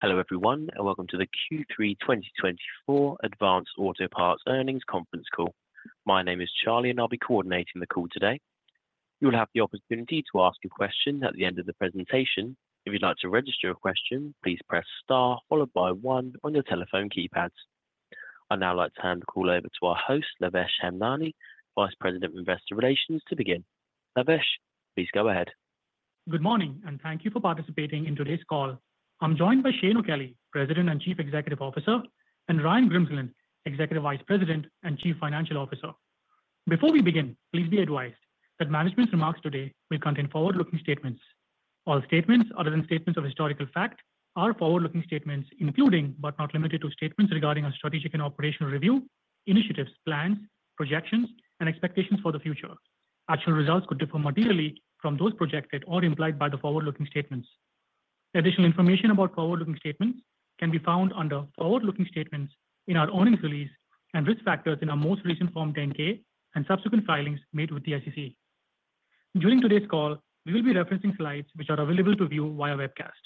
Hello ever yone, and welcome to the Q3 2024 Advance Auto Parts earnings conference call. My name is Charlie, and I'll be coordinating the call today. You will have the opportunity to ask a question at the end of the presentation. If you'd like to register a question, please press star followed by one on your telephone keypads. I'd now like to hand the call over to our host, Lavesh Hemnani, Vice President of Investor Relations, to begin. Lavesh, please go ahead. Good morning, and thank you for participating in today's call. I'm joined by Shane O'Kelly, President and Chief Executive Officer, and Ryan Grimsland, Executive Vice President and Chief Financial Officer. Before we begin, please be advised that management's remarks today will contain forward-looking statements. All statements, other than statements of historical fact, are forward-looking statements, including but not limited to statements regarding a strategic and operational review, initiatives, plans, projections, and expectations for the future. Actual results could differ materially from those projected or implied by the forward-looking statements. Additional information about forward-looking statements can be found under forward-looking statements in our earnings release and risk factors in our most recent Form 10-K and subsequent filings made with the SEC. During today's call, we will be referencing Slides which are available to view via webcast.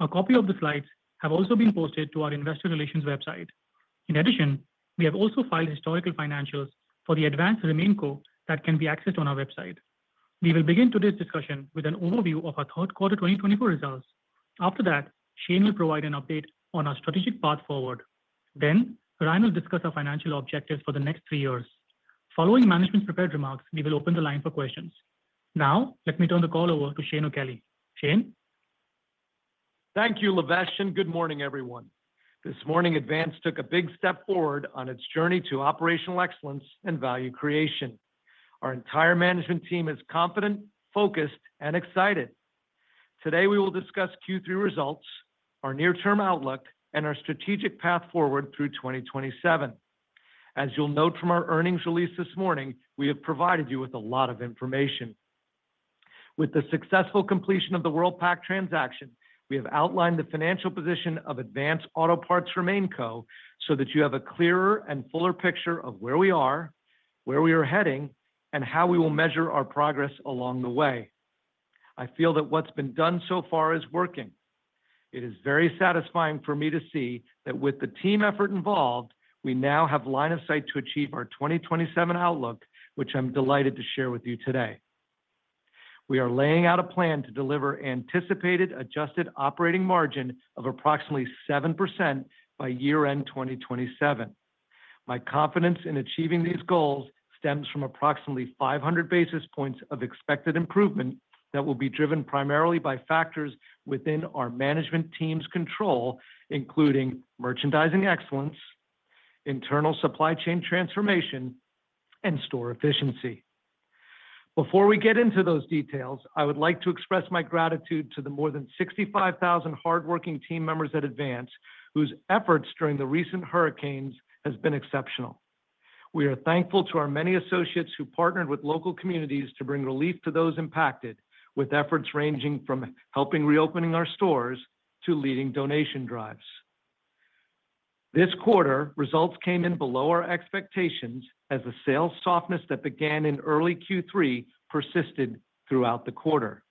A copy of the Slides has also been posted to our Investor Relations website. In addition, we have also filed historical financials for the Advance RemainCo that can be accessed on our website. We will begin today's discussion with an overview of our third quarter 2024 results. After that, Shane will provide an update on our strategic path forward. Then, Ryan will discuss our financial objectives for the next three years. Following management's prepared remarks, we will open the line for questions. Now, let me turn the call over to Shane O'Kelly. Shane. Thank you, Lavesh, and good morning, everyone. This morning, Advance took a big step forward on its journey to operational excellence and value creation. Our entire management team is confident, focused, and excited. Today, we will discuss Q3 results, our near-term outlook, and our strategic path forward through 2027. As you'll note from our earnings release this morning, we have provided you with a lot of information. With the successful completion of the Worldpac transaction, we have outlined the financial position of Advance Auto Parts RemainCo so that you have a clearer and fuller picture of where we are, where we are heading, and how we will measure our progress along the way. I feel that what's been done so far is working. It is very satisfying for me to see that with the team effort involved, we now have line of sight to achieve our 2027 outlook, which I'm delighted to share with you today. We are laying out a plan to deliver anticipated adjusted operating margin of approximately 7% by year-end 2027. My confidence in achieving these goals stems from approximately 500 basis points of expected improvement that will be driven primarily by factors within our management team's control, including merchandising excellence, internal supply chain transformation, and store efficiency. Before we get into those details, I would like to express my gratitude to the more than 65,000 hardworking team members at Advance whose efforts during the recent hurricanes have been exceptional. We are thankful to our many associates who partnered with local communities to bring relief to those impacted, with efforts ranging from helping reopening our stores to leading donation drives. This quarter, results came in below our expectations as the sales softness that began in early Q3 persisted throughout the quarter.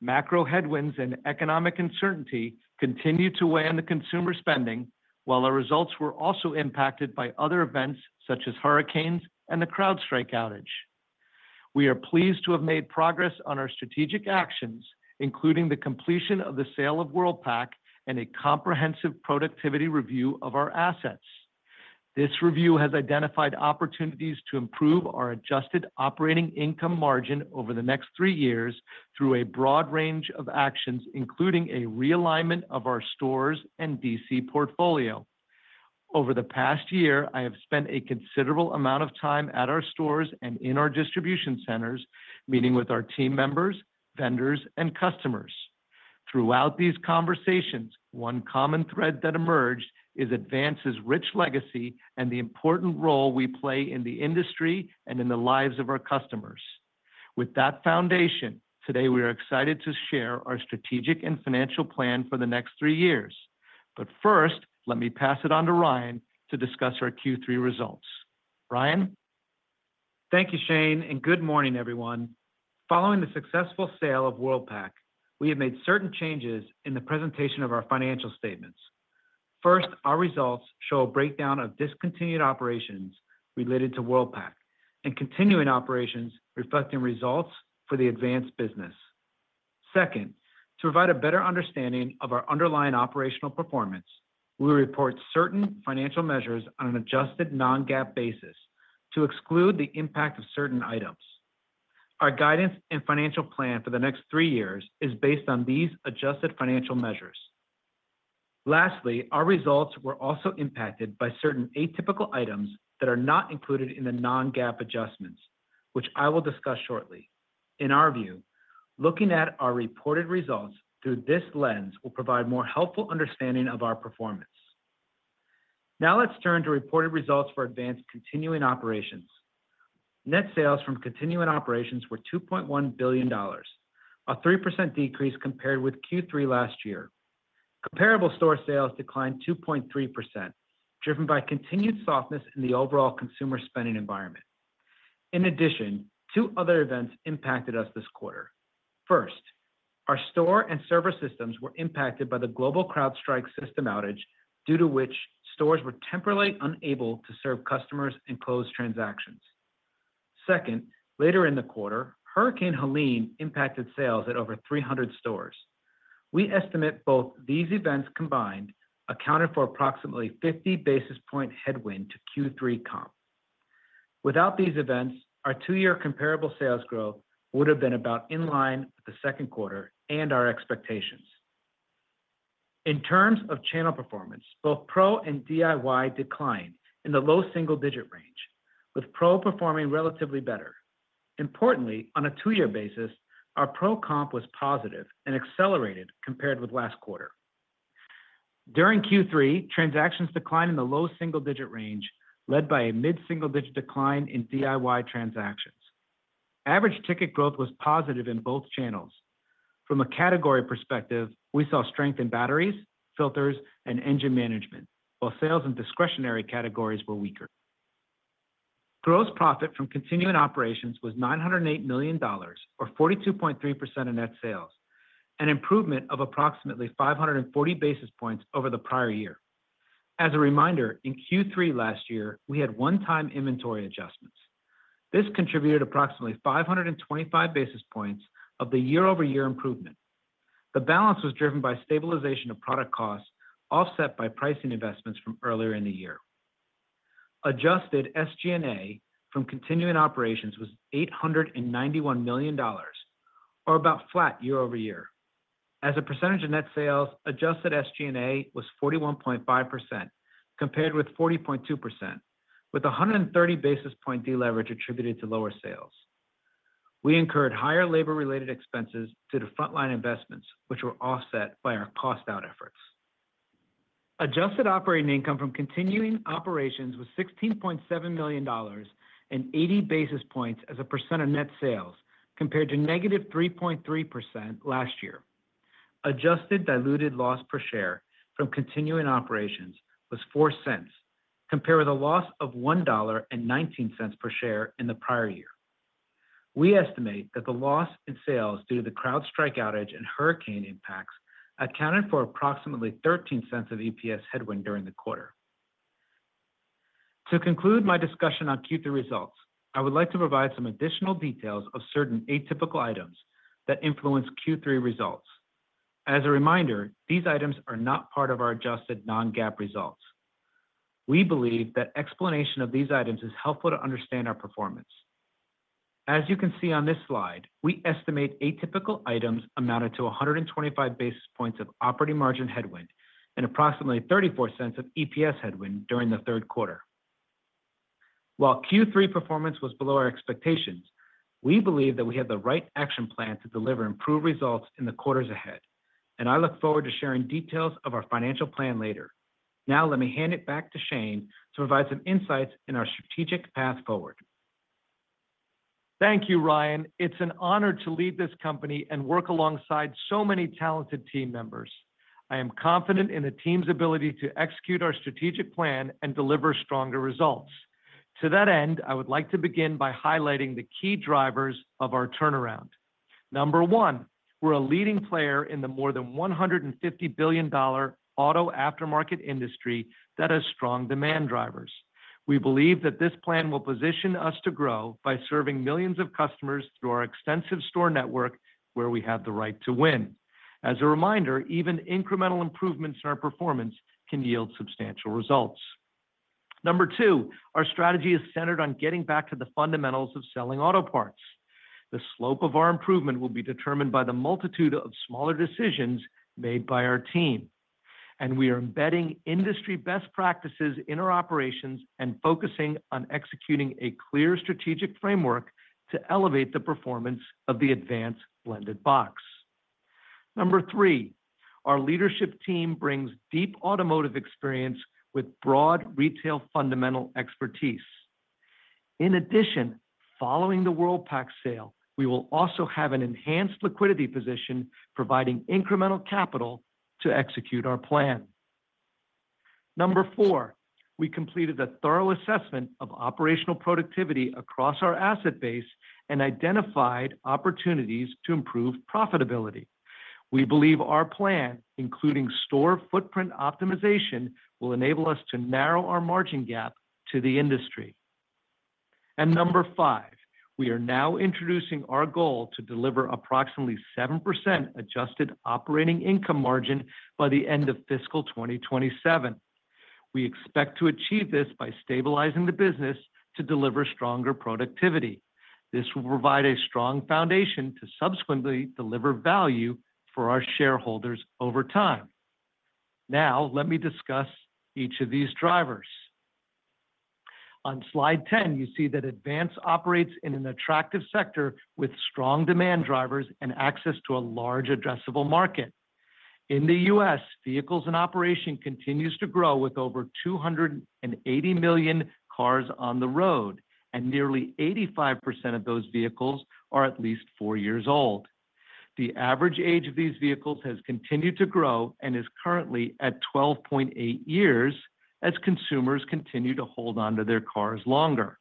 Macro headwinds and economic uncertainty continued to weigh on the consumer spending, while our results were also impacted by other events such as hurricanes and the CrowdStrike outage. We are pleased to have made progress on our strategic actions, including the completion of the sale of Worldpac and a comprehensive productivity review of our assets. This review has identified opportunities to improve our Adjusted Operating Income margin over the next three years through a broad range of actions, including a realignment of our stores and DC portfolio. Over the past year, I have spent a considerable amount of time at our stores and in our distribution centers, meeting with our team members, vendors, and customers. Throughout these conversations, one common thread that emerged is Advance's rich legacy and the important role we play in the industry and in the lives of our customers. With that foundation, today we are excited to share our strategic and financial plan for the next three years. But first, let me pass it on to Ryan to discuss our Q3 results. Ryan. Thank you, Shane, and good morning, everyone. Following the successful sale of Worldpac, we have made certain changes in the presentation of our financial statements. First, our results show a breakdown of discontinued operations related to Worldpac and continuing operations reflecting results for the Advance business. Second, to provide a better understanding of our underlying operational performance, we report certain financial measures on an adjusted non-GAAP basis to exclude the impact of certain items. Our guidance and financial plan for the next three years is based on these adjusted financial measures. Lastly, our results were also impacted by certain atypical items that are not included in the non-GAAP adjustments, which I will discuss shortly. In our view, looking at our reported results through this lens will provide more helpful understanding of our performance. Now let's turn to reported results for Advance continuing operations. Net sales from continuing operations were $2.1 billion, a 3% decrease compared with Q3 last year. Comparable store sales declined 2.3%, driven by continued softness in the overall consumer spending environment. In addition, two other events impacted us this quarter. First, our store and server systems were impacted by the global CrowdStrike system outage, due to which stores were temporarily unable to serve customers and close transactions. Second, later in the quarter, Hurricane Helene impacted sales at over 300 stores. We estimate both these events combined accounted for approximately 50 basis points headwind to Q3 comp. Without these events, our two-year comparable sales growth would have been about in line with the second quarter and our expectations. In terms of channel performance, both Pro and DIY declined in the low single-digit range, with Pro performing relatively better. Importantly, on a two-year basis, our Pro comp was positive and accelerated compared with last quarter. During Q3, transactions declined in the low single-digit range, led by a mid-single-digit decline in DIY transactions. Average ticket growth was positive in both channels. From a category perspective, we saw strength in batteries, filters, and engine management, while sales in discretionary categories were weaker. Gross profit from continuing operations was $908 million, or 42.3% of net sales, an improvement of approximately 540 basis points over the prior year. As a reminder, in Q3 last year, we had one-time inventory adjustments. This contributed approximately 525 basis points of the year-over-year improvement. The balance was driven by stabilization of product costs offset by pricing investments from earlier in the year. Adjusted SG&A from continuing operations was $891 million, or about flat year-over-year. As a percentage of net sales, adjusted SG&A was 41.5%, compared with 40.2%, with 130 basis point deleverage attributed to lower sales. We incurred higher labor-related expenses due to frontline investments, which were offset by our cost-out efforts. Adjusted operating income from continuing operations was $16.7 million and 80 basis points as a percent of net sales, compared to negative 3.3% last year. Adjusted diluted loss per share from continuing operations was $0.04, compared with a loss of $1.19 per share in the prior year. We estimate that the loss in sales due to the CrowdStrike outage and hurricane impacts accounted for approximately $0.13 of EPS headwind during the quarter. To conclude my discussion on Q3 results, I would like to provide some additional details of certain atypical items that influence Q3 results. As a reminder, these items are not part of our adjusted non-GAAP results. We believe that explanation of these items is helpful to understand our performance. As you can see on this Slide, we estimate atypical items amounted to 125 basis points of operating margin headwind and approximately $0.34 of EPS headwind during the third quarter. While Q3 performance was below our expectations, we believe that we have the right action plan to deliver improved results in the quarters ahead, and I look forward to sharing details of our financial plan later. Now, let me hand it back to Shane to provide some insights in our strategic path forward. Thank you, Ryan. It's an honor to lead this company and work alongside so many talented team members. I am confident in the team's ability to execute our strategic plan and deliver stronger results. To that end, I would like to begin by highlighting the key drivers of our turnaround. Number one, we're a leading player in the more than $150 billion auto aftermarket industry that has strong demand drivers. We believe that this plan will position us to grow by serving millions of customers through our extensive store network, where we have the right to win. As a reminder, even incremental improvements in our performance can yield substantial results. Number two, our strategy is centered on getting back to the fundamentals of selling auto parts. The slope of our improvement will be determined by the multitude of smaller decisions made by our team, and we are embedding industry best practices in our operations and focusing on executing a clear strategic framework to elevate the performance of the Advance blended box. Number three, our leadership team brings deep automotive experience with broad retail fundamental expertise. In addition, following the Worldpac sale, we will also have an enhanced liquidity position, providing incremental capital to execute our plan. Number four, we completed a thorough assessment of operational productivity across our asset base and identified opportunities to improve profitability. We believe our plan, including store footprint optimization, will enable us to narrow our margin gap to the industry, and number five, we are now introducing our goal to deliver approximately 7% adjusted operating income margin by the end of fiscal 2027. We expect to achieve this by stabilizing the business to deliver stronger productivity. This will provide a strong foundation to subsequently deliver value for our shareholders over time. Now, let me discuss each of these drivers. On Slide 10, you see that Advance operates in an attractive sector with strong demand drivers and access to a large addressable market. In the U.S., vehicles in operation continues to grow with over 280 million cars on the road, and nearly 85% of those vehicles are at least four years old. The average age of these vehicles has continued to grow and is currently at 12.8 years as consumers continue to hold onto their cars longer.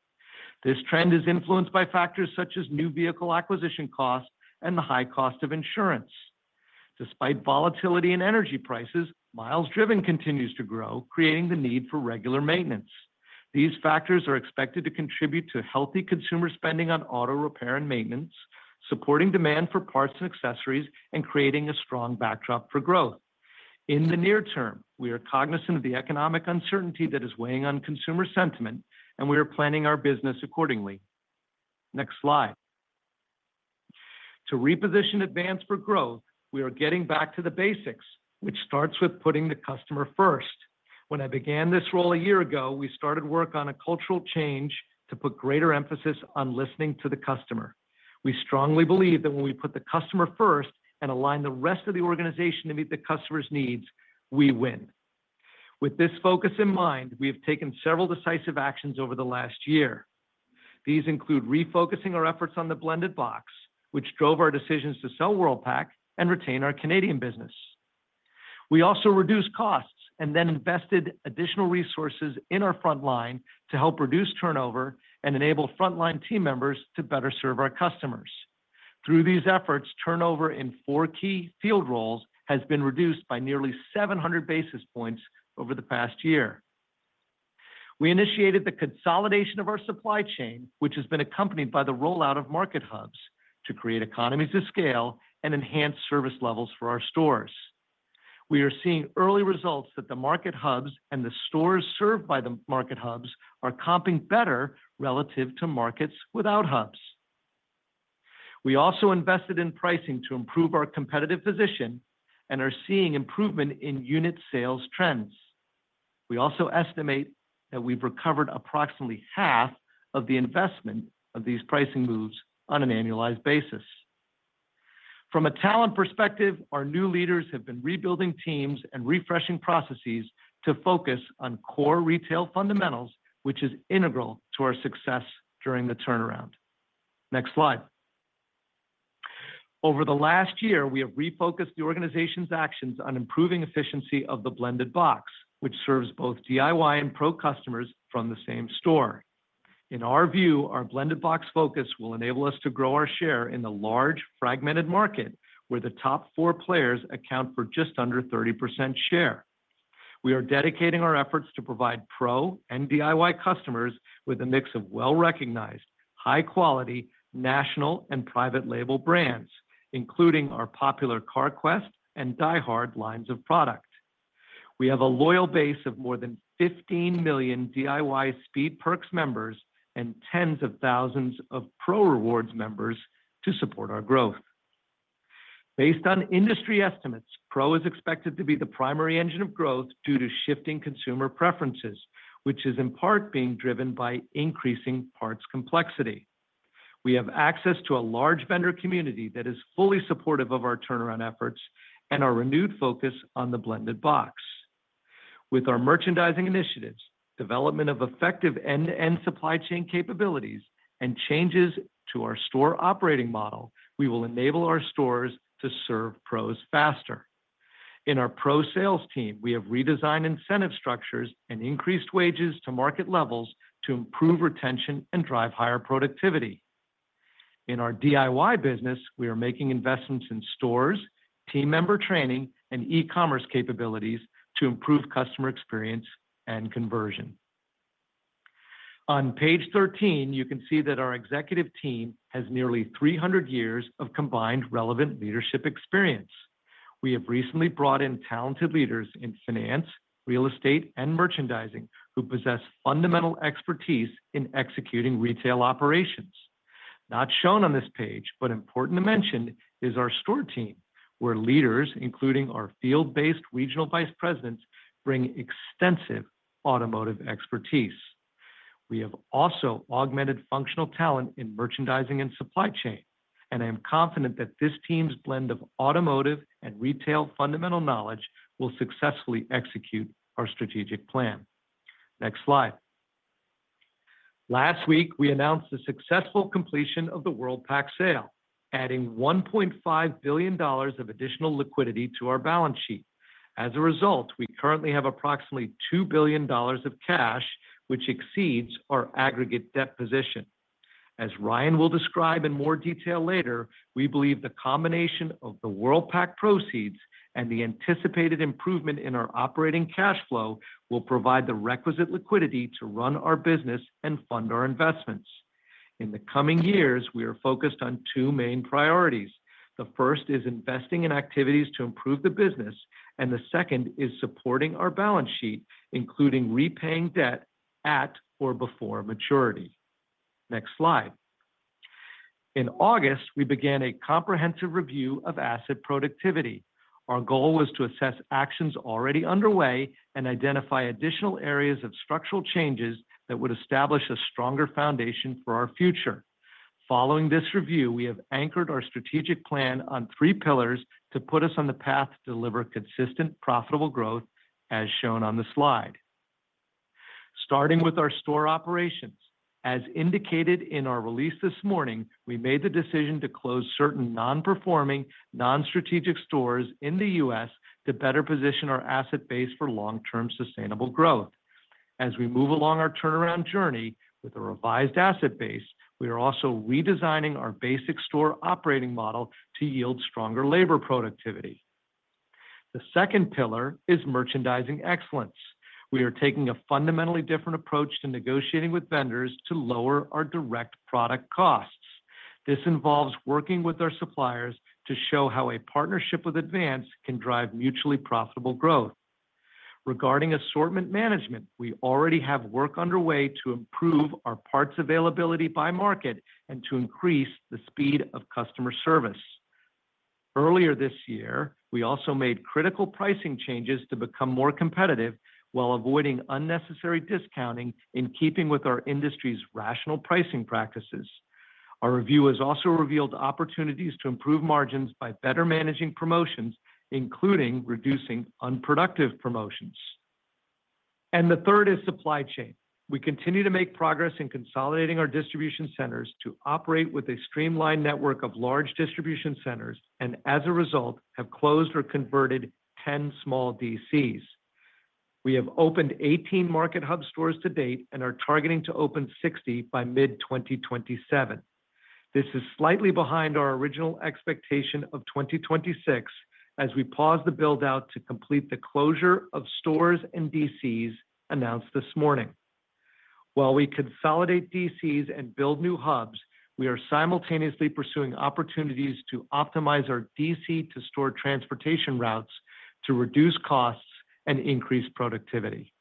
This trend is influenced by factors such as new vehicle acquisition costs and the high cost of insurance. Despite volatility in energy prices, miles driven continues to grow, creating the need for regular maintenance. These factors are expected to contribute to healthy consumer spending on auto repair and maintenance, supporting demand for parts and accessories, and creating a strong backdrop for growth. In the near term, we are cognizant of the economic uncertainty that is weighing on consumer sentiment, and we are planning our business accordingly. Next Slide. To reposition Advance for growth, we are getting back to the basics, which starts with putting the customer first. When I began this role a year ago, we started work on a cultural change to put greater emphasis on listening to the customer. We strongly believe that when we put the customer first and align the rest of the organization to meet the customer's needs, we win. With this focus in mind, we have taken several decisive actions over the last year. These include refocusing our efforts on the blended box, which drove our decisions to sell Worldpac and retain our Canadian business. We also reduced costs and then invested additional resources in our frontline to help reduce turnover and enable frontline team members to better serve our customers. Through these efforts, turnover in four key field roles has been reduced by nearly 700 basis points over the past year. We initiated the consolidation of our supply chain, which has been accompanied by the rollout of market hubs to create economies of scale and enhance service levels for our stores. We are seeing early results that the market hubs and the stores served by the market hubs are comping better relative to markets without hubs. We also invested in pricing to improve our competitive position and are seeing improvement in unit sales trends. We also estimate that we've recovered approximately half of the investment of these pricing moves on an annualized basis. From a talent perspective, our new leaders have been rebuilding teams and refreshing processes to focus on core retail fundamentals, which is integral to our success during the turnaround. Next Slide. Over the last year, we have refocused the organization's actions on improving efficiency of the blended box, which serves both DIY and Pro customers from the same store. In our view, our blended box focus will enable us to grow our share in the large fragmented market, where the top four players account for just under 30% share. We are dedicating our efforts to provide Pro and DIY customers with a mix of well-recognized, high-quality, national and private label brands, including our popular Carquest and DieHard lines of product. We have a loyal base of more than 15 million DIY Speed Perks members and tens of thousands of Pro Rewards members to support our growth. Based on industry estimates, Pro is expected to be the primary engine of growth due to shifting consumer preferences, which is in part being driven by increasing parts complexity. We have access to a large vendor community that is fully supportive of our turnaround efforts and our renewed focus on the blended box. With our merchandising initiatives, development of effective end-to-end supply chain capabilities, and changes to our store operating model, we will enable our stores to serve Pros faster. In our Pro sales team, we have redesigned incentive structures and increased wages to market levels to improve retention and drive higher productivity. In our DIY business, we are making investments in stores, team member training, and e-commerce capabilities to improve customer experience and conversion. On page 13, you can see that our executive team has nearly 300 years of combined relevant leadership experience. We have recently brought in talented leaders in finance, real estate, and merchandising who possess fundamental expertise in executing retail operations. Not shown on this page, but important to mention, is our store team, where leaders, including our field-based regional vice presidents, bring extensive automotive expertise. We have also augmented functional talent in merchandising and supply chain, and I am confident that this team's blend of automotive and retail fundamental knowledge will successfully execute our strategic plan. Next Slide. Last week, we announced the successful completion of the Worldpac sale, adding $1.5 billion of additional liquidity to our balance sheet. As a result, we currently have approximately $2 billion of cash, which exceeds our aggregate debt position. As Ryan will describe in more detail later, we believe the combination of the Worldpac proceeds and the anticipated improvement in our operating cash flow will provide the requisite liquidity to run our business and fund our investments. In the coming years, we are focused on two main priorities. The first is investing in activities to improve the business, and the second is supporting our balance sheet, including repaying debt at or before maturity. Next Slide. In August, we began a comprehensive review of asset productivity. Our goal was to assess actions already underway and identify additional areas of structural changes that would establish a stronger foundation for our future. Following this review, we have anchored our strategic plan on three pillars to put us on the path to deliver consistent, profitable growth, as shown on the Slide. Starting with our store operations, as indicated in our release this morning, we made the decision to close certain non-performing, non-strategic stores in the U.S. to better position our asset base for long-term sustainable growth. As we move along our turnaround journey with a revised asset base, we are also redesigning our basic store operating model to yield stronger labor productivity. The second pillar is merchandising excellence. We are taking a fundamentally different approach to negotiating with vendors to lower our direct product costs. This involves working with our suppliers to show how a partnership with Advance can drive mutually profitable growth. Regarding assortment management, we already have work underway to improve our parts availability by market and to increase the speed of customer service. Earlier this year, we also made critical pricing changes to become more competitive while avoiding unnecessary discounting in keeping with our industry's rational pricing practices. Our review has also revealed opportunities to improve margins by better managing promotions, including reducing unproductive promotions, and the third is supply chain. We continue to make progress in consolidating our distribution centers to operate with a streamlined network of large distribution centers and, as a result, have closed or converted 10 small DCs. We have opened 18 Market Hub stores to date and are targeting to open 60 by mid-2027. This is slightly behind our original expectation of 2026 as we pause the build-out to complete the closure of stores and DCs announced this morning. While we consolidate DCs and build new hubs, we are simultaneously pursuing opportunities to optimize our DC-to-store transportation routes to reduce costs and increase productivity.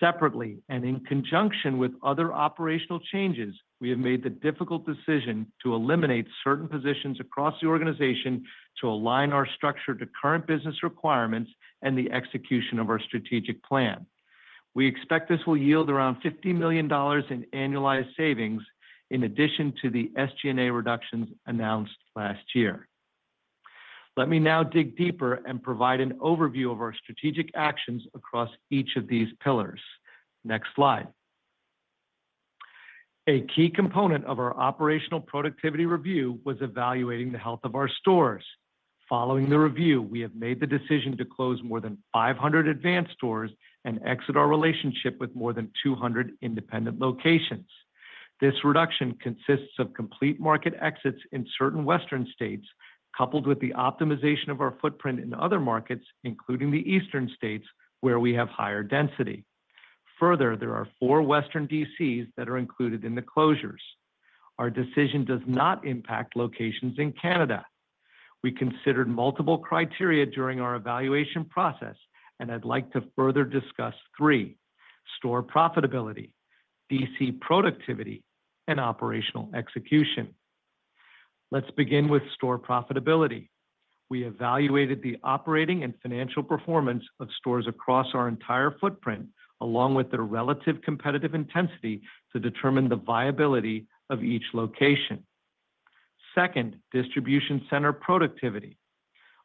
Separately and in conjunction with other operational changes, we have made the difficult decision to eliminate certain positions across the organization to align our structure to current business requirements and the execution of our strategic plan. We expect this will yield around $50 million in annualized savings in addition to the SG&A reductions announced last year. Let me now dig deeper and provide an overview of our strategic actions across each of these pillars. Next Slide. A key component of our operational productivity review was evaluating the health of our stores. Following the review, we have made the decision to close more than 500 Advance stores and exit our relationship with more than 200 independent locations. This reduction consists of complete market exits in certain Western states, coupled with the optimization of our footprint in other markets, including the Eastern states, where we have higher density. Further, there are four Western DCs that are included in the closures. Our decision does not impact locations in Canada. We considered multiple criteria during our evaluation process, and I'd like to further discuss three: store profitability, DC productivity, and operational execution. Let's begin with store profitability. We evaluated the operating and financial performance of stores across our entire footprint, along with their relative competitive intensity, to determine the viability of each location. Second, distribution center productivity.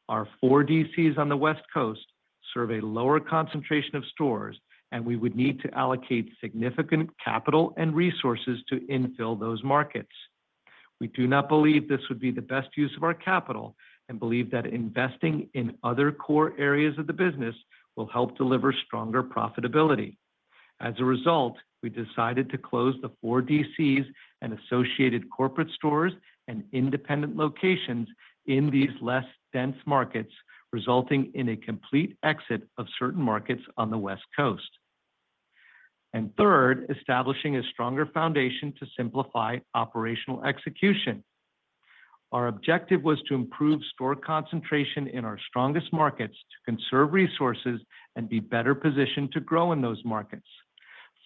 Our four DCs on the West Coast serve a lower concentration of stores, and we would need to allocate significant capital and resources to infill those markets. We do not believe this would be the best use of our capital and believe that investing in other core areas of the business will help deliver stronger profitability. As a result, we decided to close the four DCs and associated corporate stores and independent locations in these less dense markets, resulting in a complete exit of certain markets on the West Coast, and third, establishing a stronger foundation to simplify operational execution. Our objective was to improve store concentration in our strongest markets to conserve resources and be better positioned to grow in those markets.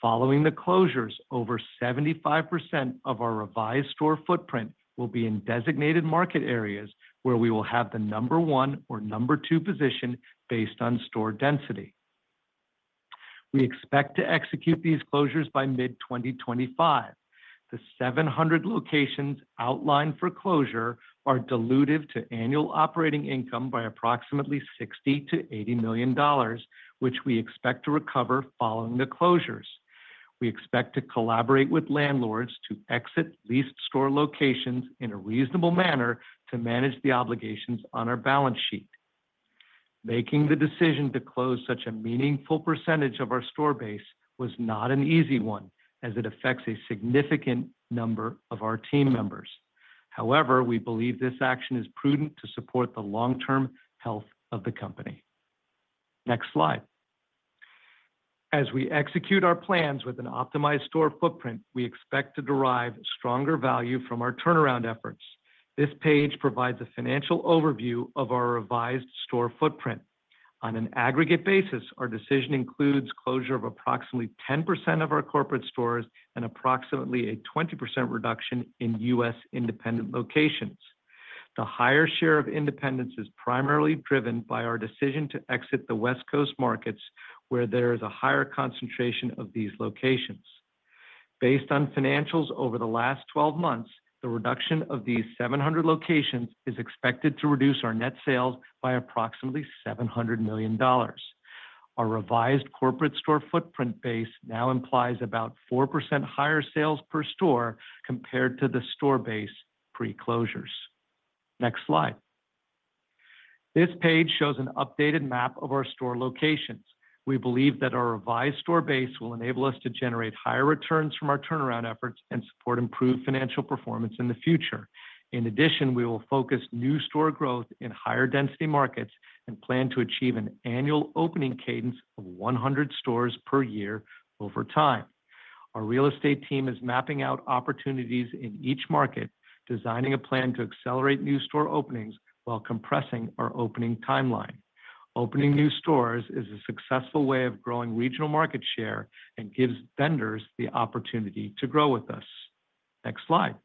Following the closures, over 75% of our revised store footprint will be in designated market areas where we will have the number one or number two position based on store density. We expect to execute these closures by mid-2025. The 700 locations outlined for closure are diluted to annual operating income by approximately $60-$80 million, which we expect to recover following the closures. We expect to collaborate with landlords to exit leased store locations in a reasonable manner to manage the obligations on our balance sheet. Making the decision to close such a meaningful percentage of our store base was not an easy one, as it affects a significant number of our team members. However, we believe this action is prudent to support the long-term health of the company. Next Slide. As we execute our plans with an optimized store footprint, we expect to derive stronger value from our turnaround efforts. This page provides a financial overview of our revised store footprint. On an aggregate basis, our decision includes closure of approximately 10% of our corporate stores and approximately a 20% reduction in U.S. independent locations. The higher share of independents is primarily driven by our decision to exit the West Coast markets, where there is a higher concentration of these locations. Based on financials over the last 12 months, the reduction of these 700 locations is expected to reduce our net sales by approximately $700 million. Our revised corporate store footprint base now implies about 4% higher sales per store compared to the store base pre-closures. Next Slide. This page shows an updated map of our store locations. We believe that our revised store base will enable us to generate higher returns from our turnaround efforts and support improved financial performance in the future. In addition, we will focus new store growth in higher density markets and plan to achieve an annual opening cadence of 100 stores per year over time. Our real estate team is mapping out opportunities in each market, designing a plan to accelerate new store openings while compressing our opening timeline. Opening new stores is a successful way of growing regional market share and gives vendors the opportunity to grow with us. Next Slide.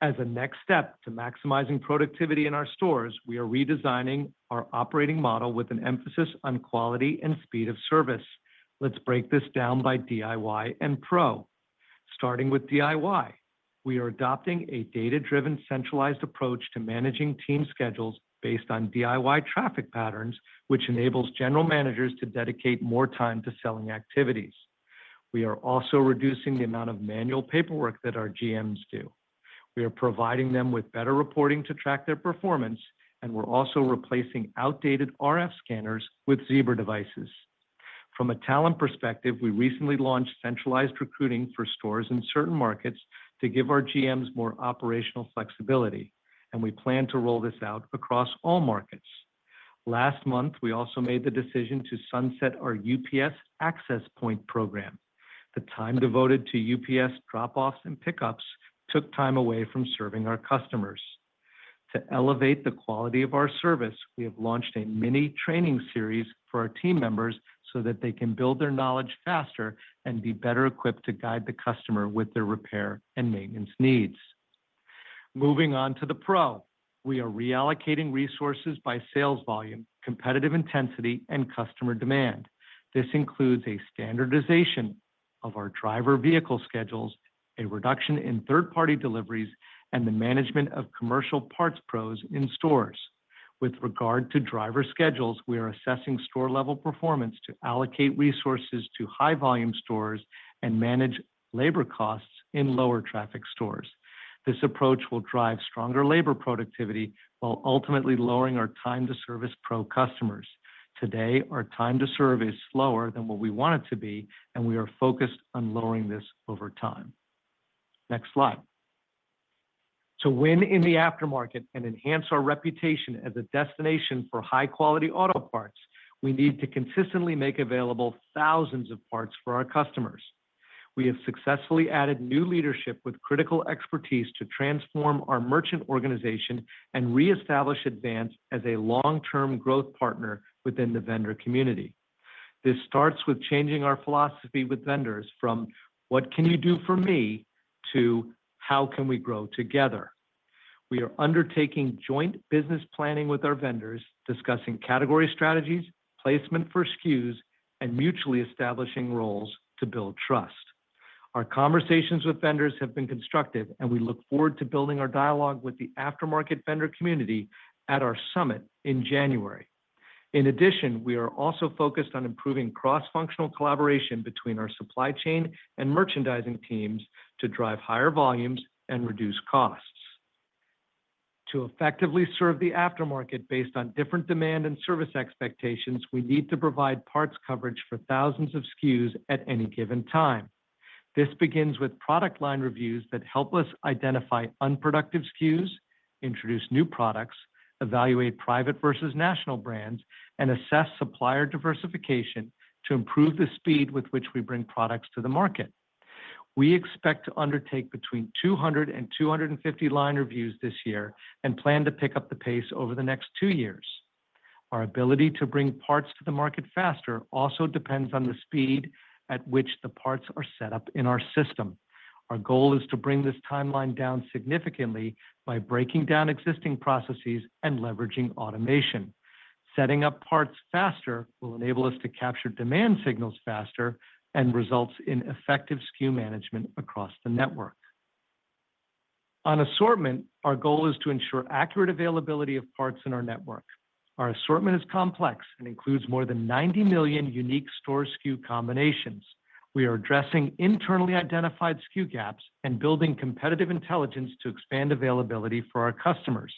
As a next step to maximizing productivity in our stores, we are redesigning our operating model with an emphasis on quality and speed of service. Let's break this down by DIY and Pro. Starting with DIY, we are adopting a data-driven centralized approach to managing team schedules based on DIY traffic patterns, which enables general managers to dedicate more time to selling activities. We are also reducing the amount of manual paperwork that our GMs do. We are providing them with better reporting to track their performance, and we're also replacing outdated RF scanners with Zebra devices. From a talent perspective, we recently launched centralized recruiting for stores in certain markets to give our GMs more operational flexibility, and we plan to roll this out across all markets. Last month, we also made the decision to sunset our UPS Access Point program. The time devoted to UPS drop-offs and pickups took time away from serving our customers. To elevate the quality of our service, we have launched a mini training series for our team members so that they can build their knowledge faster and be better equipped to guide the customer with their repair and maintenance needs. Moving on to the Pro, we are reallocating resources by sales volume, competitive intensity, and customer demand. This includes a standardization of our driver vehicle schedules, a reduction in third-party deliveries, and the management of commercial parts pros in stores. With regard to driver schedules, we are assessing store-level performance to allocate resources to high-volume stores and manage labor costs in lower traffic stores. This approach will drive stronger labor productivity while ultimately lowering our time-to-service Pro customers. Today, our time-to-service is slower than what we want it to be, and we are focused on lowering this over time. Next Slide. To win in the aftermarket and enhance our reputation as a destination for high-quality auto parts, we need to consistently make available thousands of parts for our customers. We have successfully added new leadership with critical expertise to transform our merchant organization and reestablish Advance as a long-term growth partner within the vendor community. This starts with changing our philosophy with vendors from "What can you do for me?" to "How can we grow together?" We are undertaking joint business planning with our vendors, discussing category strategies, placement for SKUs, and mutually establishing roles to build trust. Our conversations with vendors have been constructive, and we look forward to building our dialogue with the aftermarket vendor community at our summit in January. In addition, we are also focused on improving cross-functional collaboration between our supply chain and merchandising teams to drive higher volumes and reduce costs. To effectively serve the aftermarket based on different demand and service expectations, we need to provide parts coverage for thousands of SKUs at any given time. This begins with product line reviews that help us identify unproductive SKUs, introduce new products, evaluate private versus national brands, and assess supplier diversification to improve the speed with which we bring products to the market. We expect to undertake between 200 and 250 line reviews this year and plan to pick up the pace over the next two years. Our ability to bring parts to the market faster also depends on the speed at which the parts are set up in our system. Our goal is to bring this timeline down significantly by breaking down existing processes and leveraging automation. Setting up parts faster will enable us to capture demand signals faster and results in effective SKU management across the network. On assortment, our goal is to ensure accurate availability of parts in our network. Our assortment is complex and includes more than 90 million unique store SKU combinations. We are addressing internally identified SKU gaps and building competitive intelligence to expand availability for our customers.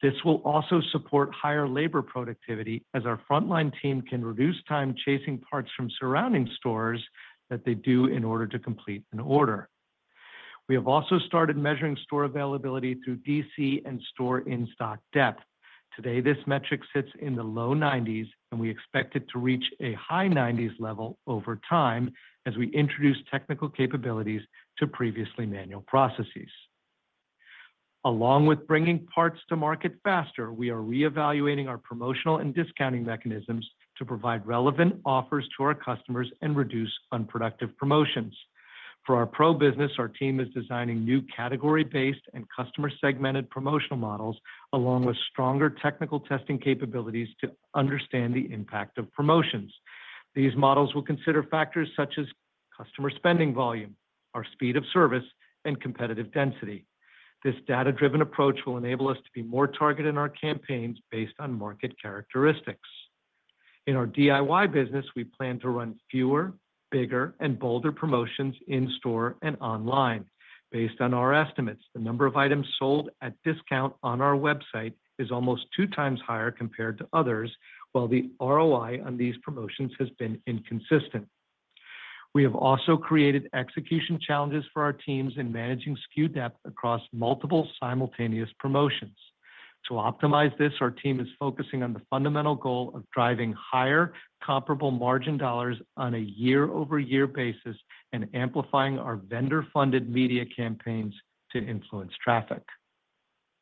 This will also support higher labor productivity as our frontline team can reduce time chasing parts from surrounding stores that they do in order to complete an order. We have also started measuring store availability through DC and store in-stock depth. Today, this metric sits in the low 90s, and we expect it to reach a high 90s level over time as we introduce technical capabilities to previously manual processes. Along with bringing parts to market faster, we are reevaluating our promotional and discounting mechanisms to provide relevant offers to our customers and reduce unproductive promotions. For our Pro business, our team is designing new category-based and customer-segmented promotional models along with stronger technical testing capabilities to understand the impact of promotions. These models will consider factors such as customer spending volume, our speed of service, and competitive density. This data-driven approach will enable us to be more targeted in our campaigns based on market characteristics. In our DIY business, we plan to run fewer, bigger, and bolder promotions in store and online. Based on our estimates, the number of items sold at discount on our website is almost two times higher compared to others, while the ROI on these promotions has been inconsistent. We have also created execution challenges for our teams in managing SKU depth across multiple simultaneous promotions. To optimize this, our team is focusing on the fundamental goal of driving higher comparable margin dollars on a year-over-year basis and amplifying our vendor-funded media campaigns to influence traffic.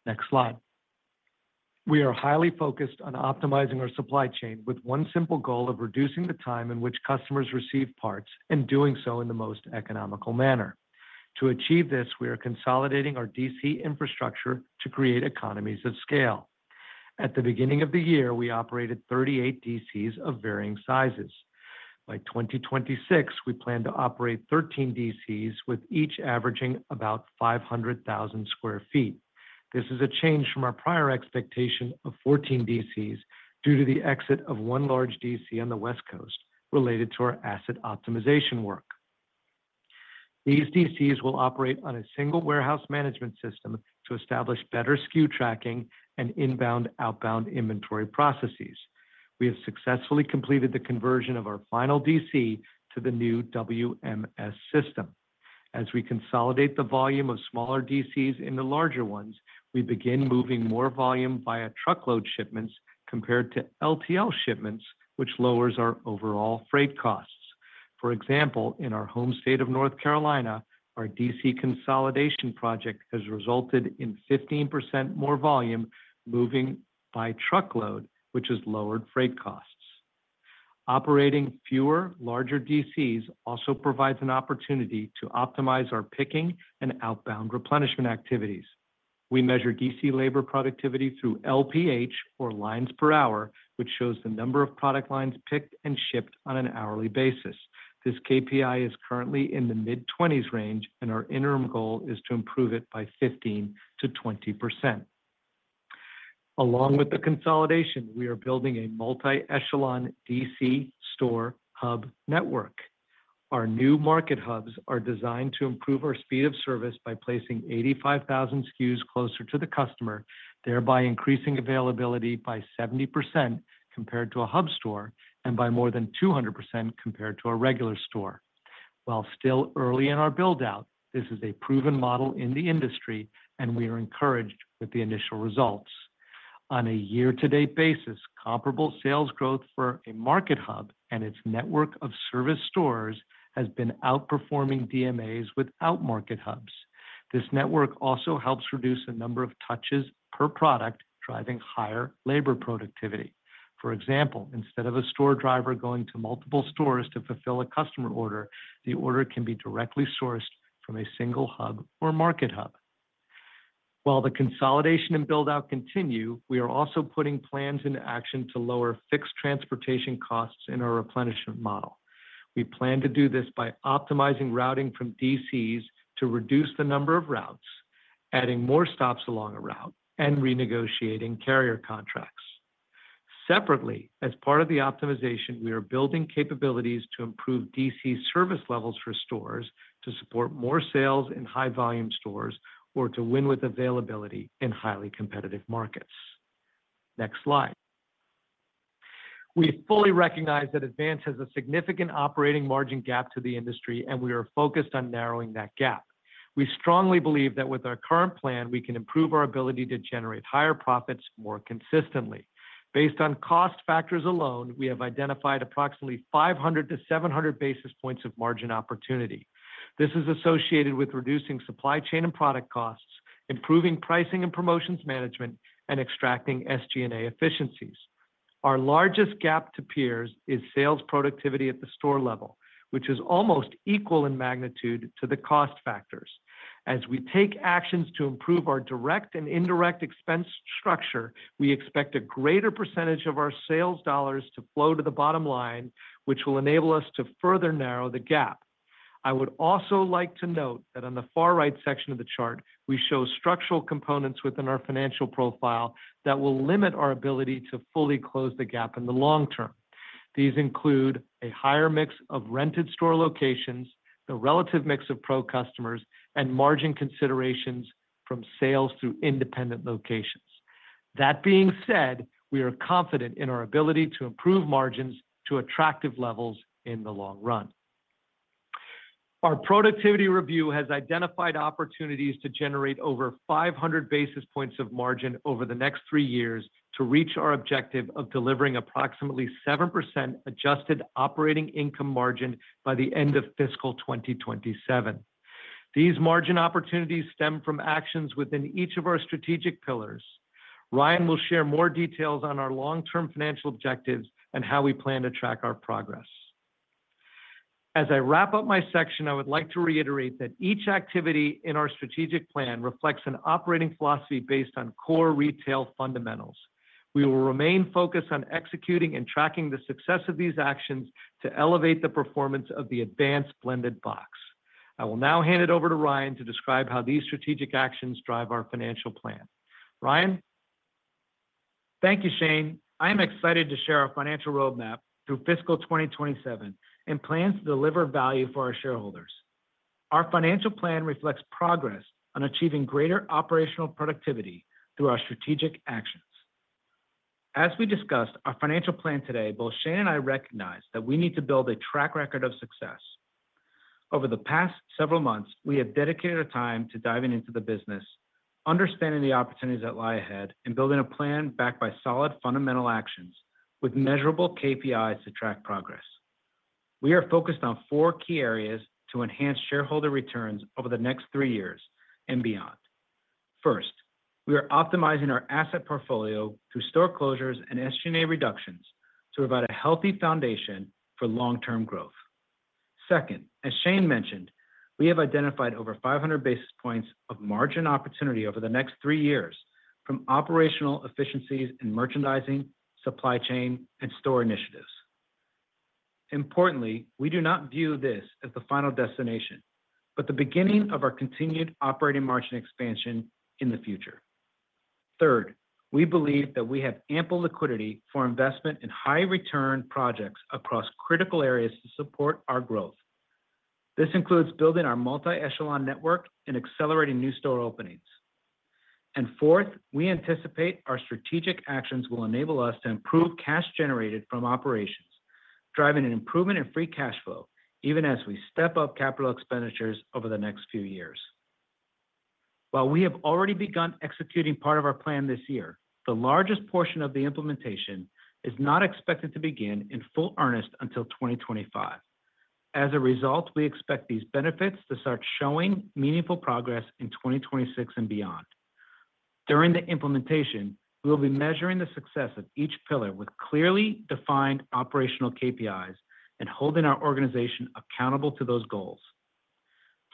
Next Slide. We are highly focused on optimizing our supply chain with one simple goal of reducing the time in which customers receive parts and doing so in the most economical manner. To achieve this, we are consolidating our DC infrastructure to create economies of scale. At the beginning of the year, we operated 38 DCs of varying sizes. By 2026, we plan to operate 13 DCs, with each averaging about 500,000 sq ft. This is a change from our prior expectation of 14 DCs due to the exit of one large DC on the West Coast related to our asset optimization work. These DCs will operate on a single warehouse management system to establish better SKU tracking and inbound/outbound inventory processes. We have successfully completed the conversion of our final DC to the new WMS system. As we consolidate the volume of smaller DCs into larger ones, we begin moving more volume via truckload shipments compared to LTL shipments, which lowers our overall freight costs. For example, in our home state of North Carolina, our DC consolidation project has resulted in 15% more volume moving by truckload, which has lowered freight costs. Operating fewer, larger DCs also provides an opportunity to optimize our picking and outbound replenishment activities. We measure DC labor productivity through LPH, or lines per hour, which shows the number of product lines picked and shipped on an hourly basis. This KPI is currently in the mid-20s range, and our interim goal is to improve it by 15%-20%. Along with the consolidation, we are building a multi-echelon DC store hub network. Our new market hubs are designed to improve our speed of service by placing 85,000 SKUs closer to the customer, thereby increasing availability by 70% compared to a hub store and by more than 200% compared to a regular store. While still early in our build-out, this is a proven model in the industry, and we are encouraged with the initial results. On a year-to-date basis, comparable sales growth for a market hub and its network of service stores has been outperforming DMAs without market hubs. This network also helps reduce the number of touches per product, driving higher labor productivity. For example, instead of a store driver going to multiple stores to fulfill a customer order, the order can be directly sourced from a single hub or market hub. While the consolidation and build-out continue, we are also putting plans into action to lower fixed transportation costs in our replenishment model. We plan to do this by optimizing routing from DCs to reduce the number of routes, adding more stops along a route, and renegotiating carrier contracts. Separately, as part of the optimization, we are building capabilities to improve DC service levels for stores to support more sales in high-volume stores or to win with availability in highly competitive markets. Next Slide. We fully recognize that Advance has a significant operating margin gap to the industry, and we are focused on narrowing that gap. We strongly believe that with our current plan, we can improve our ability to generate higher profits more consistently. Based on cost factors alone, we have identified approximately 500-700 basis points of margin opportunity. This is associated with reducing supply chain and product costs, improving pricing and promotions management, and extracting SG&A efficiencies. Our largest gap to peers is sales productivity at the store level, which is almost equal in magnitude to the cost factors. As we take actions to improve our direct and indirect expense structure, we expect a greater percentage of our sales dollars to flow to the bottom line, which will enable us to further narrow the gap. I would also like to note that on the far right section of the chart, we show structural components within our financial profile that will limit our ability to fully close the gap in the long term. These include a higher mix of rented store locations, the relative mix of Pro customers, and margin considerations from sales through independent locations. That being said, we are confident in our ability to improve margins to attractive levels in the long run. Our productivity review has identified opportunities to generate over 500 basis points of margin over the next three years to reach our objective of delivering approximately 7% adjusted operating income margin by the end of fiscal 2027. These margin opportunities stem from actions within each of our strategic pillars. Ryan will share more details on our long-term financial objectives and how we plan to track our progress. As I wrap up my section, I would like to reiterate that each activity in our strategic plan reflects an operating philosophy based on core retail fundamentals. We will remain focused on executing and tracking the success of these actions to elevate the performance of the Advance blended box. I will now hand it over to Ryan to describe how these strategic actions drive our financial plan. Ryan. Thank you, Shane. I am excited to share our financial roadmap through fiscal 2027 and plans to deliver value for our shareholders. Our financial plan reflects progress on achieving greater operational productivity through our strategic actions. As we discussed our financial plan today, both Shane and I recognize that we need to build a track record of success. Over the past several months, we have dedicated our time to diving into the business, understanding the opportunities that lie ahead, and building a plan backed by solid fundamental actions with measurable KPIs to track progress. We are focused on four key areas to enhance shareholder returns over the next three years and beyond. First, we are optimizing our asset portfolio through store closures and SG&A reductions to provide a healthy foundation for long-term growth. Second, as Shane mentioned, we have identified over 500 basis points of margin opportunity over the next three years from operational efficiencies in merchandising, supply chain, and store initiatives. Importantly, we do not view this as the final destination, but the beginning of our continued operating margin expansion in the future. Third, we believe that we have ample liquidity for investment in high-return projects across critical areas to support our growth. This includes building our multi-echelon network and accelerating new store openings. And fourth, we anticipate our strategic actions will enable us to improve cash generated from operations, driving an improvement in free cash flow, even as we step up capital expenditures over the next few years. While we have already begun executing part of our plan this year, the largest portion of the implementation is not expected to begin in full earnest until 2025. As a result, we expect these benefits to start showing meaningful progress in 2026 and beyond. During the implementation, we will be measuring the success of each pillar with clearly defined operational KPIs and holding our organization accountable to those goals.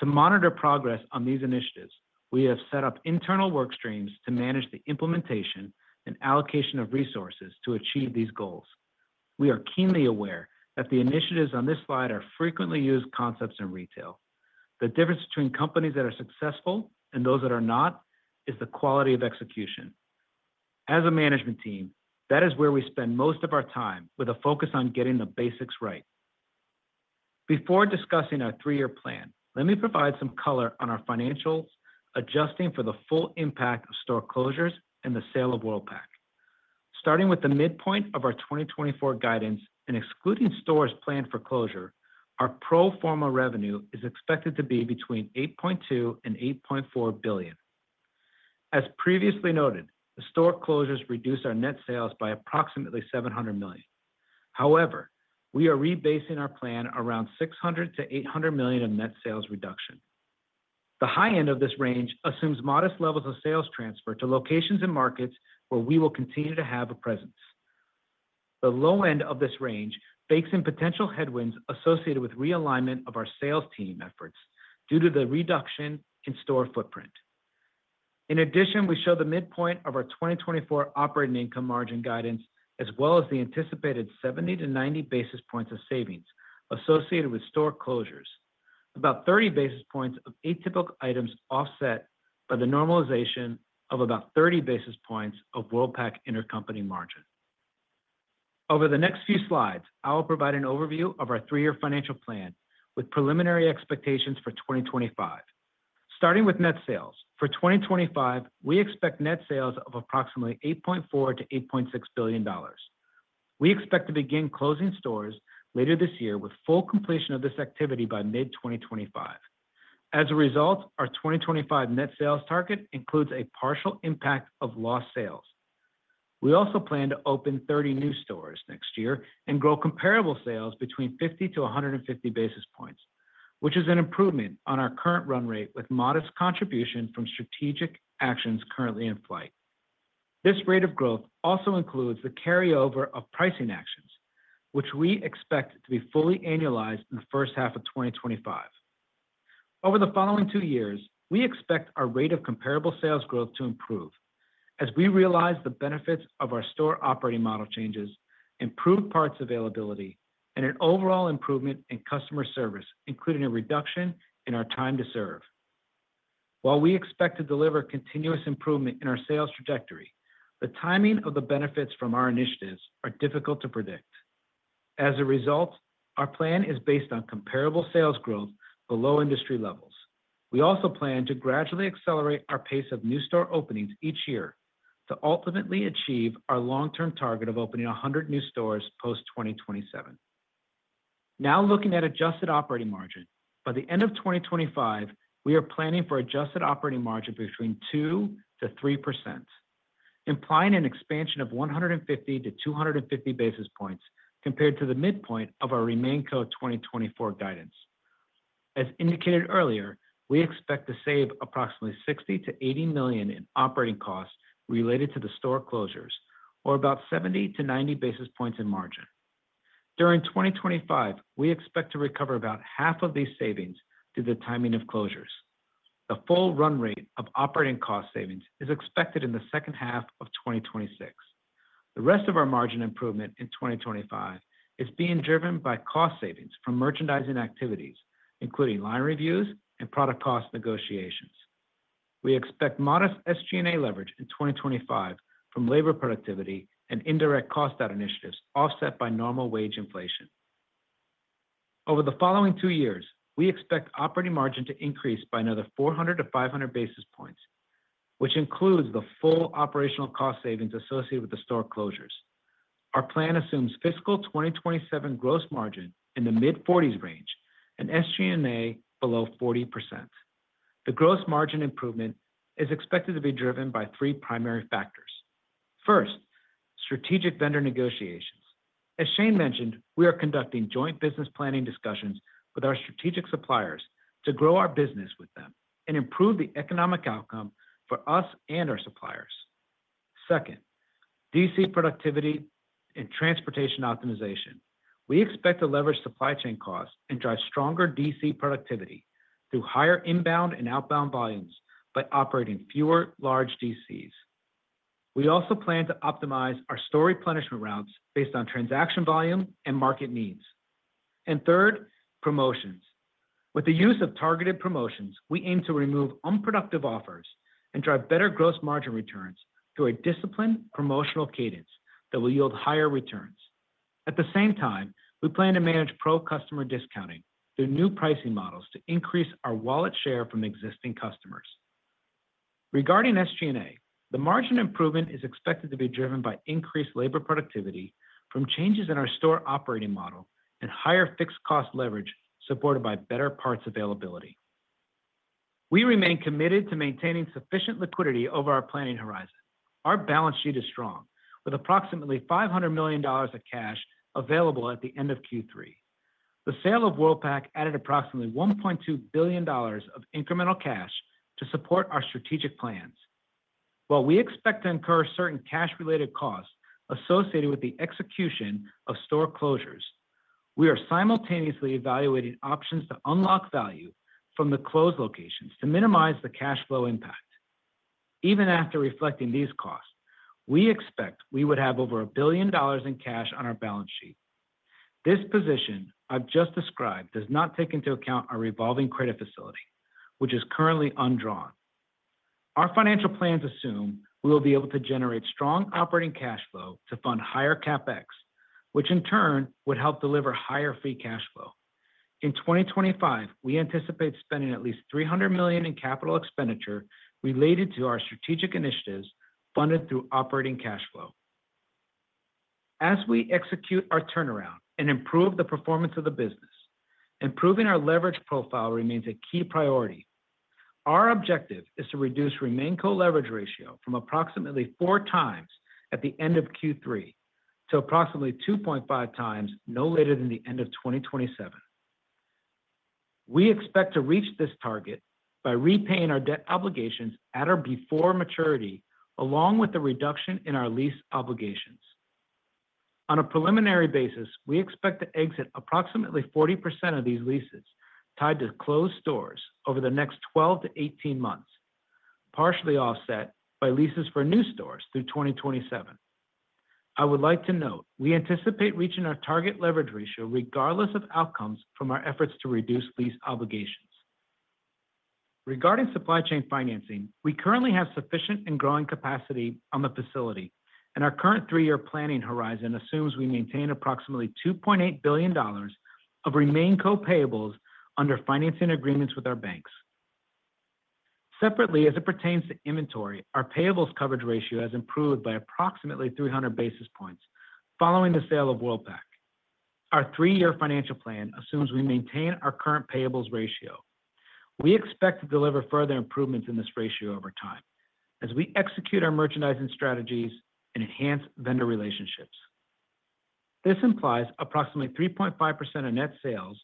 To monitor progress on these initiatives, we have set up internal work streams to manage the implementation and allocation of resources to achieve these goals. We are keenly aware that the initiatives on this Slide are frequently used concepts in retail. The difference between companies that are successful and those that are not is the quality of execution. As a management team, that is where we spend most of our time with a focus on getting the basics right. Before discussing our three-year plan, let me provide some color on our financials adjusting for the full impact of store closures and the sale of Worldpac. Starting with the midpoint of our 2024 guidance and excluding stores planned for closure, our pro forma revenue is expected to be between $8.2 billion and $8.4 billion. As previously noted, the store closures reduced our net sales by approximately $700 million. However, we are rebasing our plan around $600 million to $800 million of net sales reduction. The high end of this range assumes modest levels of sales transfer to locations and markets where we will continue to have a presence. The low end of this range bakes in potential headwinds associated with realignment of our sales team efforts due to the reduction in store footprint. In addition, we show the midpoint of our 2024 operating income margin guidance, as well as the anticipated 70 to 90 basis points of savings associated with store closures, about 30 basis points of atypical items offset by the normalization of about 30 basis points of Worldpac intercompany margin. Over the next few Slides, I will provide an overview of our three-year financial plan with preliminary expectations for 2025. Starting with net sales, for 2025, we expect net sales of approximately $8.4-$8.6 billion. We expect to begin closing stores later this year with full completion of this activity by mid-2025. As a result, our 2025 net sales target includes a partial impact of lost sales. We also plan to open 30 new stores next year and grow comparable sales between 50 to 150 basis points, which is an improvement on our current run rate with modest contribution from strategic actions currently in flight. This rate of growth also includes the carryover of pricing actions, which we expect to be fully annualized in the first half of 2025. Over the following two years, we expect our rate of comparable sales growth to improve as we realize the benefits of our store operating model changes, improved parts availability, and an overall improvement in customer service, including a reduction in our time to serve. While we expect to deliver continuous improvement in our sales trajectory, the timing of the benefits from our initiatives is difficult to predict. As a result, our plan is based on comparable sales growth below industry levels. We also plan to gradually accelerate our pace of new store openings each year to ultimately achieve our long-term target of opening 100 new stores post-2027. Now looking at adjusted operating margin, by the end of 2025, we are planning for adjusted operating margin between 2% to 3%, implying an expansion of 150-250 basis points compared to the midpoint of our RemainCo 2024 guidance. As indicated earlier, we expect to save approximately $60-80 million in operating costs related to the store closures, or about 70-90 basis points in margin. During 2025, we expect to recover about half of these savings due to the timing of closures. The full run rate of operating cost savings is expected in the second half of 2026. The rest of our margin improvement in 2025 is being driven by cost savings from merchandising activities, including line reviews and product cost negotiations. We expect modest SG&A leverage in 2025 from labor productivity and indirect cost out initiatives offset by normal wage inflation. Over the following two years, we expect operating margin to increase by another 400 to 500 basis points, which includes the full operational cost savings associated with the store closures. Our plan assumes fiscal 2027 gross margin in the mid-40s% range and SG&A below 40%. The gross margin improvement is expected to be driven by three primary factors. First, strategic vendor negotiations. As Shane mentioned, we are conducting joint business planning discussions with our strategic suppliers to grow our business with them and improve the economic outcome for us and our suppliers. Second, DC productivity and transportation optimization. We expect to leverage supply chain costs and drive stronger DC productivity through higher inbound and outbound volumes by operating fewer large DCs. We also plan to optimize our store replenishment routes based on transaction volume and market needs. Third, promotions. With the use of targeted promotions, we aim to remove unproductive offers and drive better gross margin returns through a disciplined promotional cadence that will yield higher returns. At the same time, we plan to manage pro customer discounting through new pricing models to increase our wallet share from existing customers. Regarding SG&A, the margin improvement is expected to be driven by increased labor productivity from changes in our store operating model and higher fixed cost leverage supported by better parts availability. We remain committed to maintaining sufficient liquidity over our planning horizon. Our balance sheet is strong, with approximately $500 million of cash available at the end of Q3. The sale of Worldpac added approximately $1.2 billion of incremental cash to support our strategic plans. While we expect to incur certain cash-related costs associated with the execution of store closures, we are simultaneously evaluating options to unlock value from the closed locations to minimize the cash flow impact. Even after reflecting these costs, we expect we would have over a billion dollars in cash on our balance sheet. This position I've just described does not take into account our revolving credit facility, which is currently undrawn. Our financial plans assume we will be able to generate strong operating cash flow to fund higher CapEx, which in turn would help deliver higher free cash flow. In 2025, we anticipate spending at least $300 million in capital expenditure related to our strategic initiatives funded through operating cash flow. As we execute our turnaround and improve the performance of the business, improving our leverage profile remains a key priority. Our objective is to reduce RemainCo leverage ratio from approximately four times at the end of Q3 to approximately 2.5 times no later than the end of 2027. We expect to reach this target by repaying our debt obligations at or before maturity, along with the reduction in our lease obligations. On a preliminary basis, we expect to exit approximately 40% of these leases tied to closed stores over the next 12 to 18 months, partially offset by leases for new stores through 2027. I would like to note we anticipate reaching our target leverage ratio regardless of outcomes from our efforts to reduce lease obligations. Regarding supply chain financing, we currently have sufficient and growing capacity on the facility, and our current three-year planning horizon assumes we maintain approximately $2.8 billion of RemainCo payables under financing agreements with our banks. Separately, as it pertains to inventory, our payables coverage ratio has improved by approximately 300 basis points following the sale of Worldpac. Our three-year financial plan assumes we maintain our current payables ratio. We expect to deliver further improvements in this ratio over time as we execute our merchandising strategies and enhance vendor relationships. This implies approximately 3.5% of net sales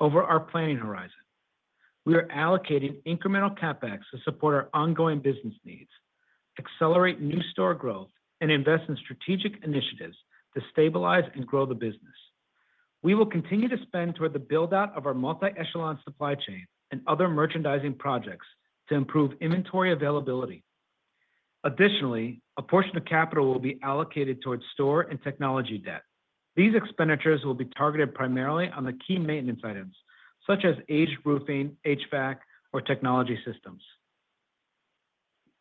over our planning horizon. We are allocating incremental CapEx to support our ongoing business needs, accelerate new store growth, and invest in strategic initiatives to stabilize and grow the business. We will continue to spend toward the build-out of our multi-echelon supply chain and other merchandising projects to improve inventory availability. Additionally, a portion of capital will be allocated towards store and technology debt. These expenditures will be targeted primarily on the key maintenance items, such as aged roofing, HVAC, or technology systems.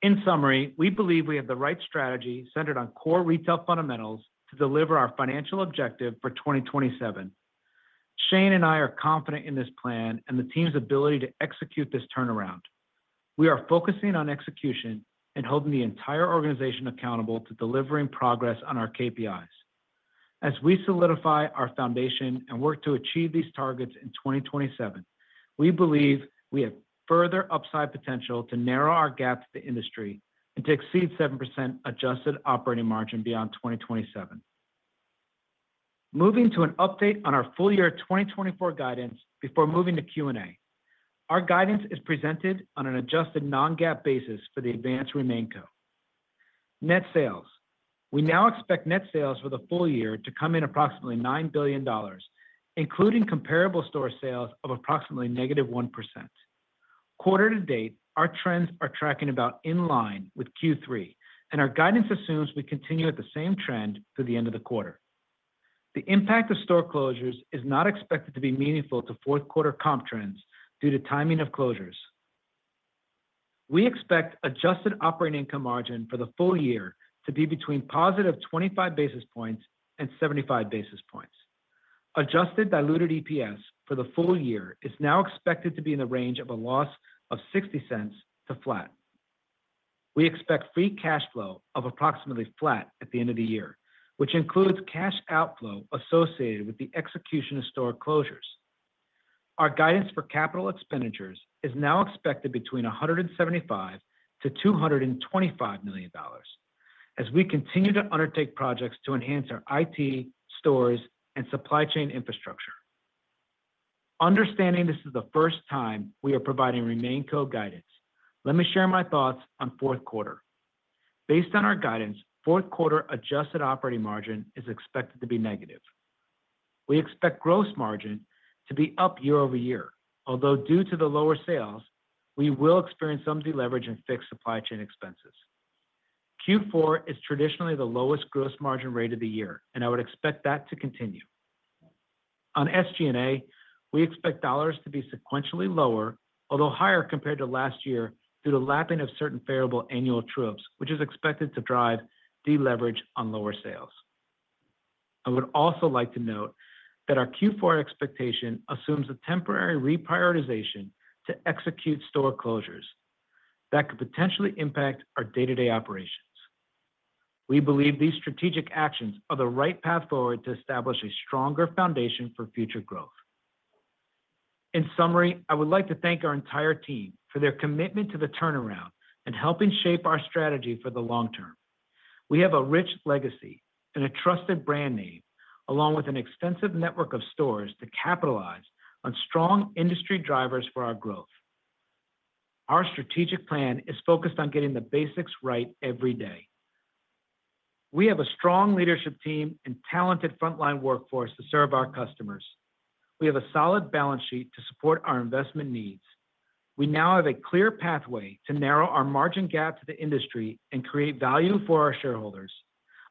In summary, we believe we have the right strategy centered on core retail fundamentals to deliver our financial objective for 2027. Shane and I are confident in this plan and the team's ability to execute this turnaround. We are focusing on execution and holding the entire organization accountable to delivering progress on our KPIs. As we solidify our foundation and work to achieve these targets in 2027, we believe we have further upside potential to narrow our gap to the industry and to exceed 7% adjusted operating margin beyond 2027. Moving to an update on our full year 2024 guidance before moving to Q&A. Our guidance is presented on an adjusted non-GAAP basis for the Advance RemainCo. Net sales, we now expect net sales for the full year to come in approximately $9 billion, including comparable store sales of approximately -1%. Quarter to date, our trends are tracking about in line with Q3, and our guidance assumes we continue with the same trend through the end of the quarter. The impact of store closures is not expected to be meaningful to fourth quarter comp trends due to timing of closures. We expect adjusted operating income margin for the full year to be between positive 25 basis points and 75 basis points. Adjusted diluted EPS for the full year is now expected to be in the range of a loss of $0.60 to flat. We expect free cash flow of approximately flat at the end of the year, which includes cash outflow associated with the execution of store closures. Our guidance for capital expenditures is now expected between $175-$225 million as we continue to undertake projects to enhance our IT, stores, and supply chain infrastructure. Understanding this is the first time we are providing RemainCo guidance, let me share my thoughts on fourth quarter. Based on our guidance, fourth quarter adjusted operating margin is expected to be negative. We expect gross margin to be up year over year, although due to the lower sales, we will experience some deleverage and fixed supply chain expenses. Q4 is traditionally the lowest gross margin rate of the year, and I would expect that to continue. On SG&A, we expect dollars to be sequentially lower, although higher compared to last year due to lapping of certain favorable annual true-ups, which is expected to drive deleverage on lower sales. I would also like to note that our Q4 expectation assumes a temporary reprioritization to execute store closures that could potentially impact our day-to-day operations. We believe these strategic actions are the right path forward to establish a stronger foundation for future growth. In summary, I would like to thank our entire team for their commitment to the turnaround and helping shape our strategy for the long term. We have a rich legacy and a trusted brand name, along with an extensive network of stores to capitalize on strong industry drivers for our growth. Our strategic plan is focused on getting the basics right every day. We have a strong leadership team and talented frontline workforce to serve our customers. We have a solid balance sheet to support our investment needs. We now have a clear pathway to narrow our margin gap to the industry and create value for our shareholders.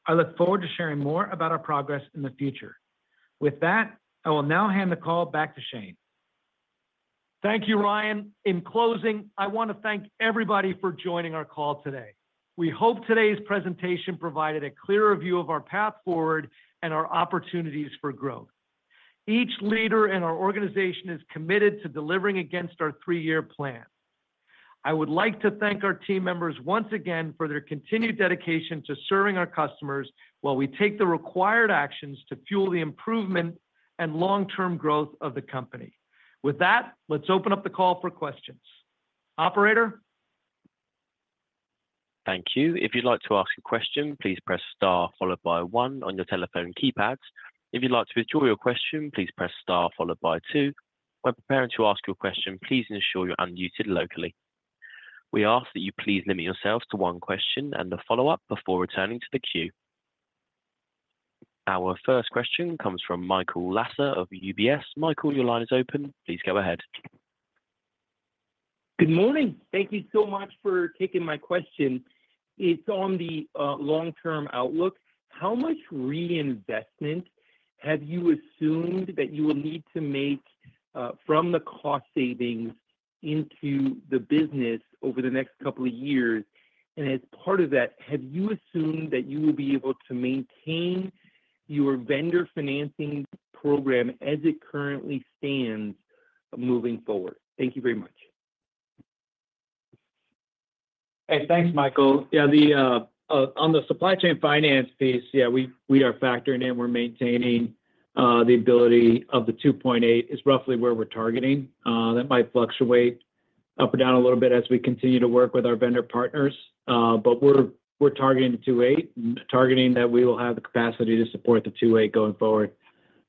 I look forward to sharing more about our progress in the future. With that, I will now hand the call back to Shane. Thank you, Ryan. In closing, I want to thank everybody for joining our call today. We hope today's presentation provided a clearer view of our path forward and our opportunities for growth. Each leader in our organization is committed to delivering against our three-year plan. I would like to thank our team members once again for their continued dedication to serving our customers while we take the required actions to fuel the improvement and long-term growth of the company. With that, let's open up the call for questions. Operator. Thank you. If you'd like to ask a question, please press star followed by one on your telephone keypad. If you'd like to withdraw your question, please press star followed by two. When preparing to ask your question, please ensure you're unmuted locally. We ask that you please limit yourselves to one question and a follow-up before returning to the queue. Our first question comes from Michael Lasser of UBS. Michael, your line is open. Please go ahead. Good morning. Thank you so much for taking my question. It's on the long-term outlook. How much reinvestment have you assumed that you will need to make from the cost savings into the business over the next couple of years? And as part of that, have you assumed that you will be able to maintain your vendor financing program as it currently stands moving forward? Thank you very much. Hey, thanks, Michael. Yeah, on the supply chain finance piece, yeah, we are factoring in we're maintaining the ability of the 2.8 is roughly where we're targeting. That might fluctuate up or down a little bit as we continue to work with our vendor partners, but we're targeting the 2.8, targeting that we will have the capacity to support the 2.8 going forward.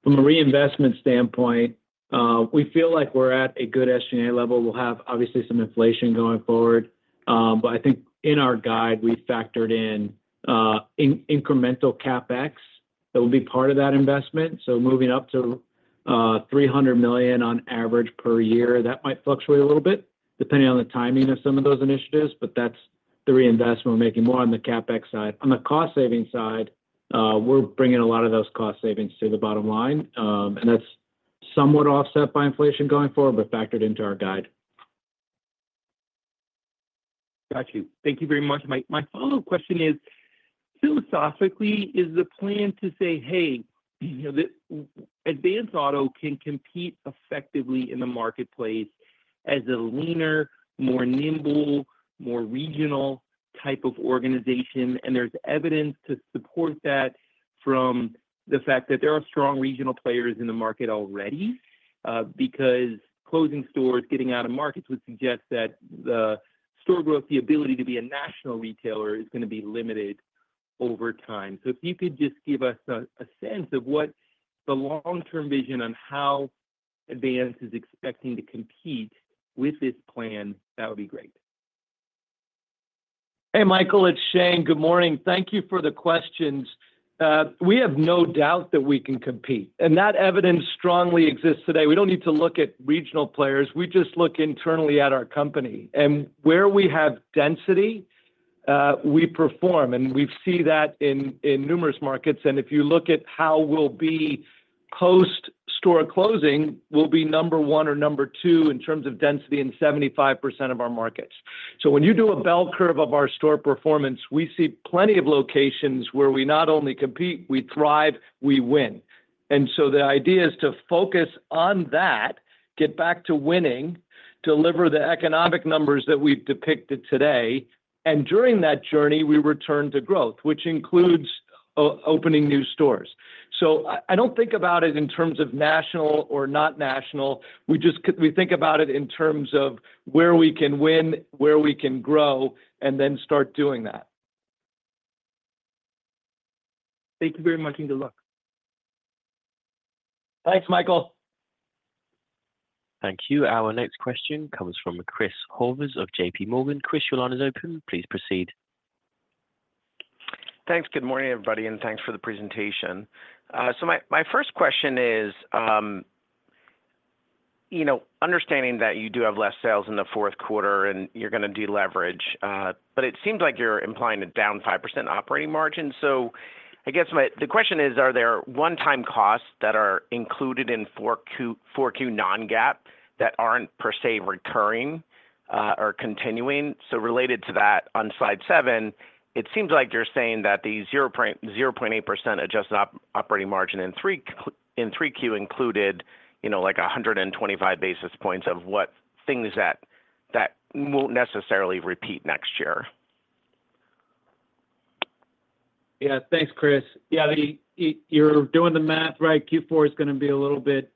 From a reinvestment standpoint, we feel like we're at a good SG&A level. We'll have obviously some inflation going forward, but I think in our guide, we factored in incremental CapEx that will be part of that investment. So moving up to $300 million on average per year, that might fluctuate a little bit depending on the timing of some of those initiatives, but that's the reinvestment we're making more on the CapEx side. On the cost savings side, we're bringing a lot of those cost savings to the bottom line, and that's somewhat offset by inflation going forward, but factored into our guide. Got you. Thank you very much. My follow-up question is, philosophically, is the plan to say, hey, Advance Auto can compete effectively in the marketplace as a leaner, more nimble, more regional type of organization? And there's evidence to support that from the fact that there are strong regional players in the market already because closing stores, getting out of markets would suggest that the store growth, the ability to be a national retailer is going to be limited over time. So if you could just give us a sense of what the long-term vision on how Advance is expecting to compete with this plan, that would be great. Hey, Michael, it's Shane. Good morning. Thank you for the questions. We have no doubt that we can compete, and that evidence strongly exists today. We don't need to look at regional players. We just look internally at our company. And where we have density, we perform, and we see that in numerous markets. And if you look at how we'll be post-store closing, we'll be number one or number two in terms of density in 75% of our markets. So when you do a bell curve of our store performance, we see plenty of locations where we not only compete, we thrive, we win. And so the idea is to focus on that, get back to winning, deliver the economic numbers that we've depicted today, and during that journey, we return to growth, which includes opening new stores. So I don't think about it in terms of national or not national. We think about it in terms of where we can win, where we can grow, and then start doing that. Thank you very much and good luck. Thanks, Michael. Thank you. Our next question comes from Chris Horvers of JPMorgan. Chris, your line is open. Please proceed. 4Thanks. Good morning, everybody, and thanks for the presentation. So my first question is, understanding that you do have less sales in the fourth quarter and you're going to deleverage, but it seems like you're implying a down 5% operating margin. So I guess the question is, are there one-time costs that are included in 4Q non-GAAP that aren't per se recurring or continuing? So related to that, on Slide seven, it seems like you're saying that the 0.8% adjusted operating margin in 3Q included like 125 basis points of what things that won't necessarily repeat next year. Yeah, thanks, Chris. Yeah, you're doing the math right. Q4 is going to be a little bit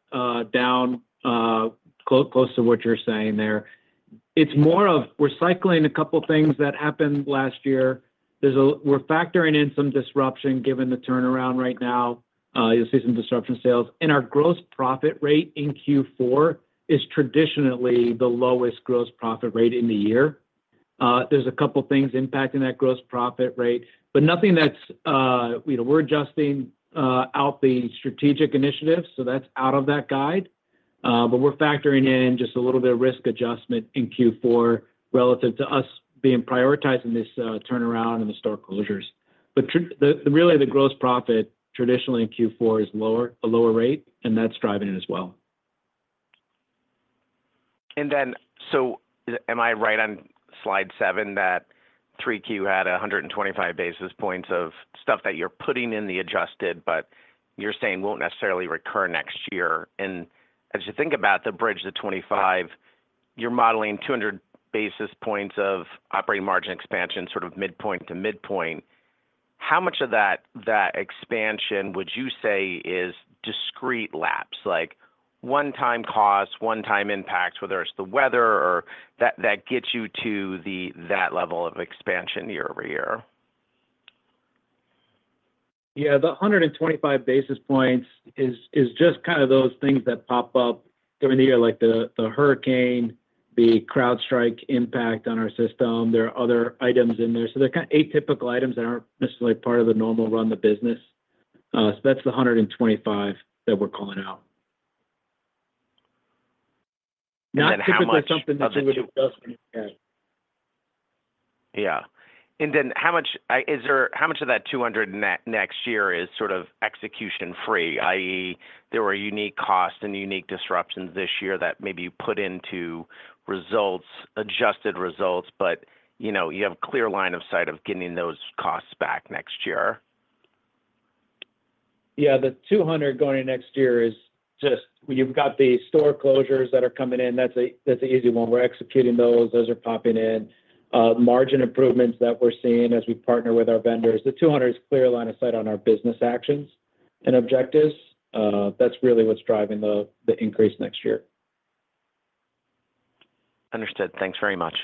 down, close to what you're saying there. It's more of we're cycling a couple of things that happened last year. We're factoring in some disruption given the turnaround right now. You'll see some disruption sales. And our gross profit rate in Q4 is traditionally the lowest gross profit rate in the year. There's a couple of things impacting that gross profit rate, but nothing that we're adjusting out the strategic initiative, so that's out of that guide. But we're factoring in just a little bit of risk adjustment in Q4 relative to us being prioritizing this turnaround and the store closures. But really, the gross profit traditionally in Q4 is lower, a lower rate, and that's driving it as well. Am I right on Slide seven that 3Q had 125 basis points of stuff that you're putting in the adjusted, but you're saying won't necessarily recur next year? As you think about the bridge to 25, you're modeling 200 basis points of operating margin expansion, sort of midpoint to midpoint. How much of that expansion would you say is discrete lapses, like one-time cost, one-time impact, whether it's the weather or that gets you to that level of expansion year over year? Yeah, the 125 basis points is just kind of those things that pop up during the year, like the hurricane, the CrowdStrike impact on our system. There are other items in there. So they're kind of atypical items that aren't necessarily part of the normal run of the business. So that's the 125 that we're calling out. Not typically something that you would adjust in your guide. Yeah. And then how much is there, how much of that 200 next year is sort of execution-free, i.e., there were unique costs and unique disruptions this year that maybe you put into results, adjusted results, but you have a clear line of sight of getting those costs back next year? Yeah, the 200 going next year is just when you've got the store closures that are coming in, that's an easy one. We're executing those. Those are popping in. Margin improvements that we're seeing as we partner with our vendors. The 200 is a clear line of sight on our business actions and objectives. That's really what's driving the increase next year. Understood. Thanks very much.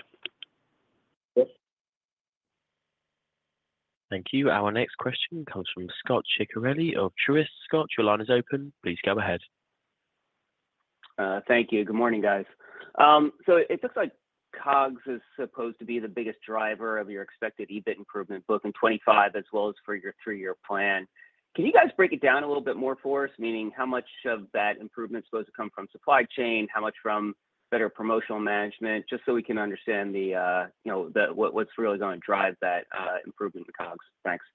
Thank you. Our next question comes from Scot Ciccarelli of Truist. Scot, your line is open. Please go ahead. Thank you. Good morning, guys. So it looks like COGS is supposed to be the biggest driver of your expected EBIT improvement, both in 2025 as well as for your three-year plan. Can you guys break it down a little bit more for us, meaning how much of that improvement is supposed to come from supply chain, how much from better promotional management, just so we can understand what's really going to drive that improvement in COGS? Thanks.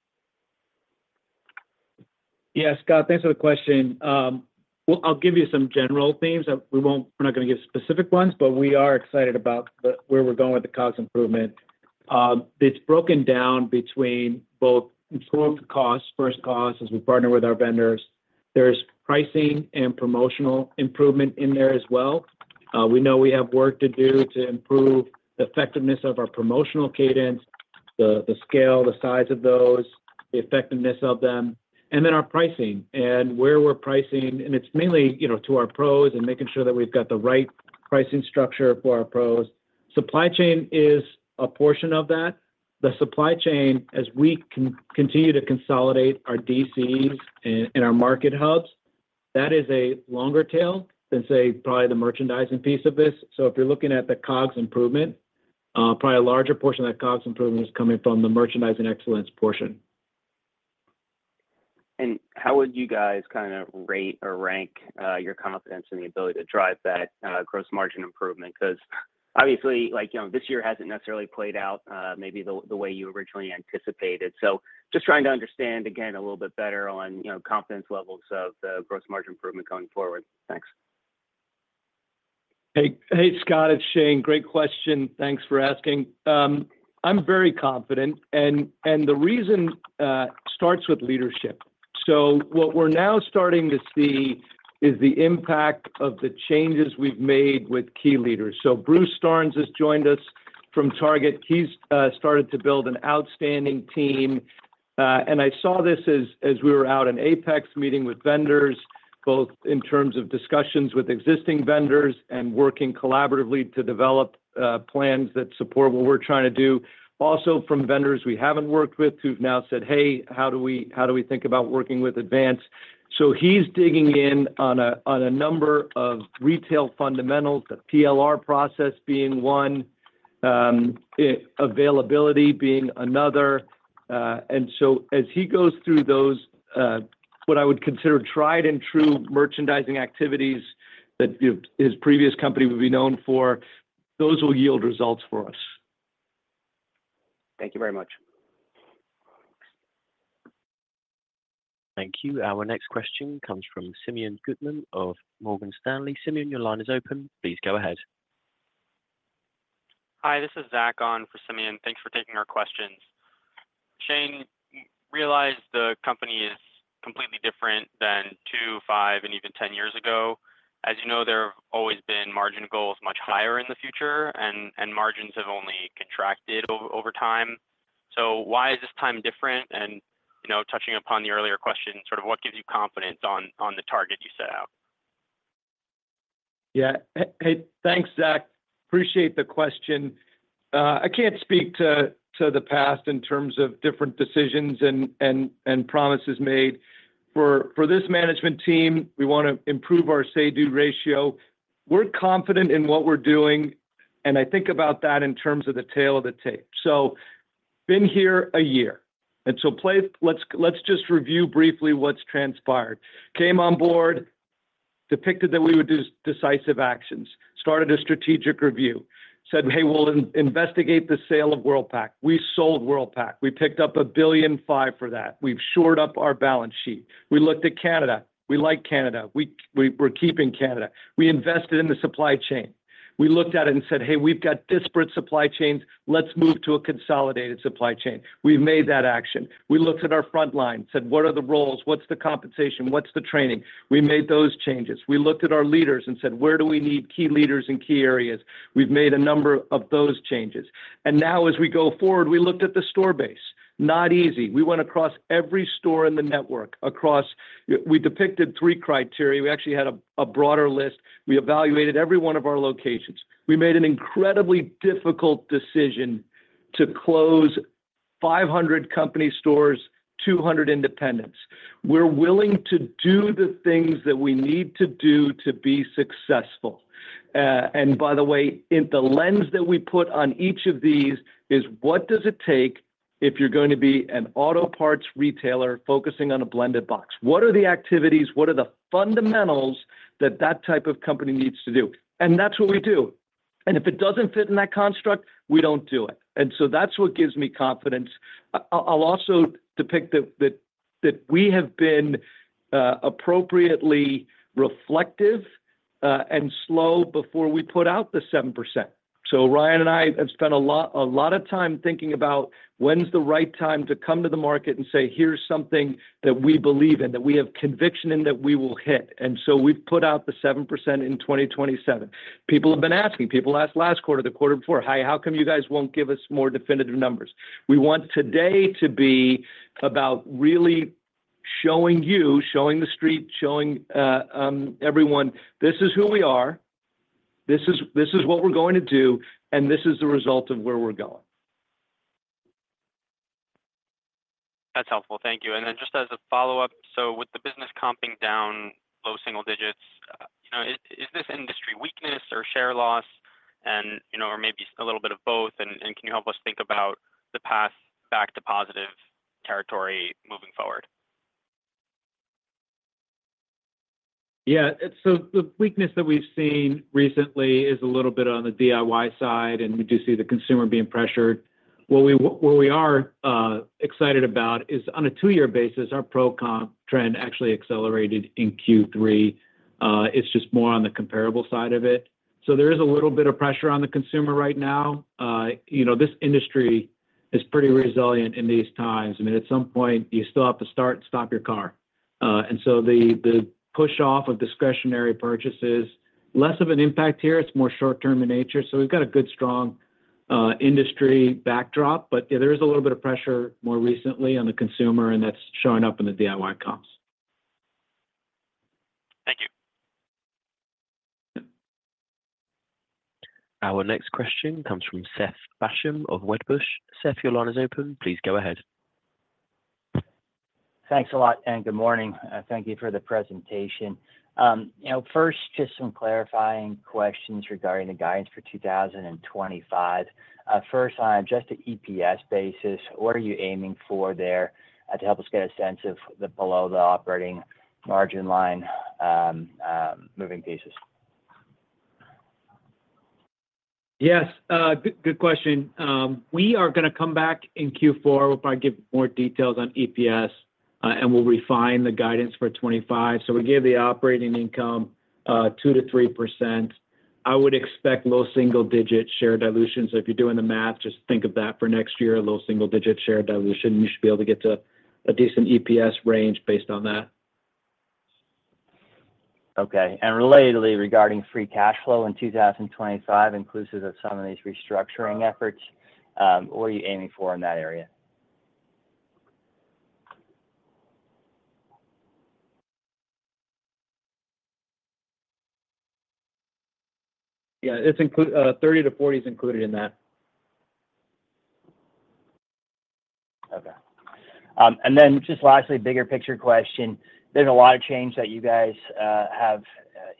Yeah, Scot, thanks for the question. I'll give you some general themes. We're not going to give specific ones, but we are excited about where we're going with the COGS improvement. It's broken down between both improved costs, first costs as we partner with our vendors. There's pricing and promotional improvement in there as well. We know we have work to do to improve the effectiveness of our promotional cadence, the scale, the size of those, the effectiveness of them, and then our pricing and where we're pricing. And it's mainly to our pros and making sure that we've got the right pricing structure for our pros. Supply chain is a portion of that. The supply chain, as we continue to consolidate our DCs and our market hubs, that is a longer tail than, say, probably the merchandising piece of this. So if you're looking at the COGS improvement, probably a larger portion of that COGS improvement is coming from the merchandising excellence portion. And how would you guys kind of rate or rank your confidence in the ability to drive that gross margin improvement? Because obviously, this year hasn't necessarily played out maybe the way you originally anticipated. So just trying to understand, again, a little bit better on confidence levels of the gross margin improvement going forward. Thanks. Hey, Scot, it's Shane. Great question. Thanks for asking. I'm very confident, and the reason starts with leadership. So what we're now starting to see is the impact of the changes we've made with key leaders. So Bruce Starnes has joined us from Target. He's started to build an outstanding team. And I saw this as we were out in Apex meeting with vendors, both in terms of discussions with existing vendors and working collaboratively to develop plans that support what we're trying to do. Also from vendors we haven't worked with who've now said, "Hey, how do we think about working with Advance?" So he's digging in on a number of retail fundamentals, the PLR process being one, availability being another. As he goes through those, what I would consider tried and true merchandising activities that his previous company would be known for, those will yield results for us. Thank you very much. Thank you. Our next question comes from Simeon Gutman of Morgan Stanley. Simeon, your line is open. Please go ahead. Hi, this is Zach on for Simeon. Thanks for taking our questions. Shane, realize the company is completely different than two, five, and even 10 years ago. As you know, there have always been margin goals much higher in the future, and margins have only contracted over time. So why is this time different? And touching upon the earlier question, sort of what gives you confidence on the target you set out? Yeah. Hey, thanks, Zach. Appreciate the question. I can't speak to the past in terms of different decisions and promises made. For this management team, we want to improve our say-do ratio. We're confident in what we're doing, and I think about that in terms of the tale of the tape. So, been here a year. And so, let's just review briefly what's transpired. Came on board, predicted that we would do decisive actions, started a strategic review, said, "Hey, we'll investigate the sale of Worldpac." We sold Worldpac. We picked up $1.5 billion for that. We've shored up our balance sheet. We looked at Canada. We like Canada. We're keeping Canada. We invested in the supply chain. We looked at it and said, "Hey, we've got disparate supply chains. Let's move to a consolidated supply chain." We've made that action. We looked at our front line, said, "What are the roles? What's the compensation? What's the training?" We made those changes. We looked at our leaders and said, "Where do we need key leaders in key areas?" We've made a number of those changes. And now, as we go forward, we looked at the store base. Not easy. We went across every store in the network. We depicted three criteria. We actually had a broader list. We evaluated every one of our locations. We made an incredibly difficult decision to close 500 company stores, 200 independents. We're willing to do the things that we need to do to be successful. And by the way, the lens that we put on each of these is, what does it take if you're going to be an auto parts retailer focusing on a blended box? What are the activities? What are the fundamentals that that type of company needs to do? And that's what we do. And if it doesn't fit in that construct, we don't do it. And so that's what gives me confidence. I'll also add that we have been appropriately reflective and slow before we put out the 7%. So Ryan and I have spent a lot of time thinking about when's the right time to come to the market and say, "Here's something that we believe in, that we have conviction in that we will hit." And so we've put out the 7% in 2027. People have been asking. People asked last quarter, the quarter before, "Hey, how come you guys won't give us more definitive numbers?" We want today to be about really showing you, showing the street, showing everyone, "This is who we are. This is what we're going to do, and this is the result of where we're going." That's helpful. Thank you. And then just as a follow-up, so with the business comping down, low single digits, is this industry weakness or share loss or maybe a little bit of both? And can you help us think about the path back to positive territory moving forward? Yeah. So the weakness that we've seen recently is a little bit on the DIY side, and we do see the consumer being pressured. What we are excited about is, on a two-year basis, our pro-comp trend actually accelerated in Q3. It's just more on the comparable side of it. So there is a little bit of pressure on the consumer right now. This industry is pretty resilient in these times. I mean, at some point, you still have to start and stop your car. And so the push-off of discretionary purchases, less of an impact here. It's more short-term in nature. So we've got a good, strong industry backdrop. But there is a little bit of pressure more recently on the consumer, and that's showing up in the DIY comps. Thank you. Our next question comes from Seth Basham of Wedbush. Seth, your line is open. Please go ahead. Thanks a lot, and good morning. Thank you for the presentation. First, just some clarifying questions regarding the guidance for 2025. First, on a just EPS basis, what are you aiming for there to help us get a sense of the below-the-operating margin line moving pieces? Yes. Good question. We are going to come back in Q4. We'll probably give more details on EPS, and we'll refine the guidance for 2025. So we gave the operating income 2%-3%. I would expect low single-digit share dilution. So if you're doing the math, just think of that for next year, low single-digit share dilution. You should be able to get to a decent EPS range based on that. Okay. And relatedly, regarding free cash flow in 2025, inclusive of some of these restructuring efforts, what are you aiming for in that area? Yeah. 30-40 is included in that. Okay. And then just lastly, bigger picture question. There's a lot of change that you guys have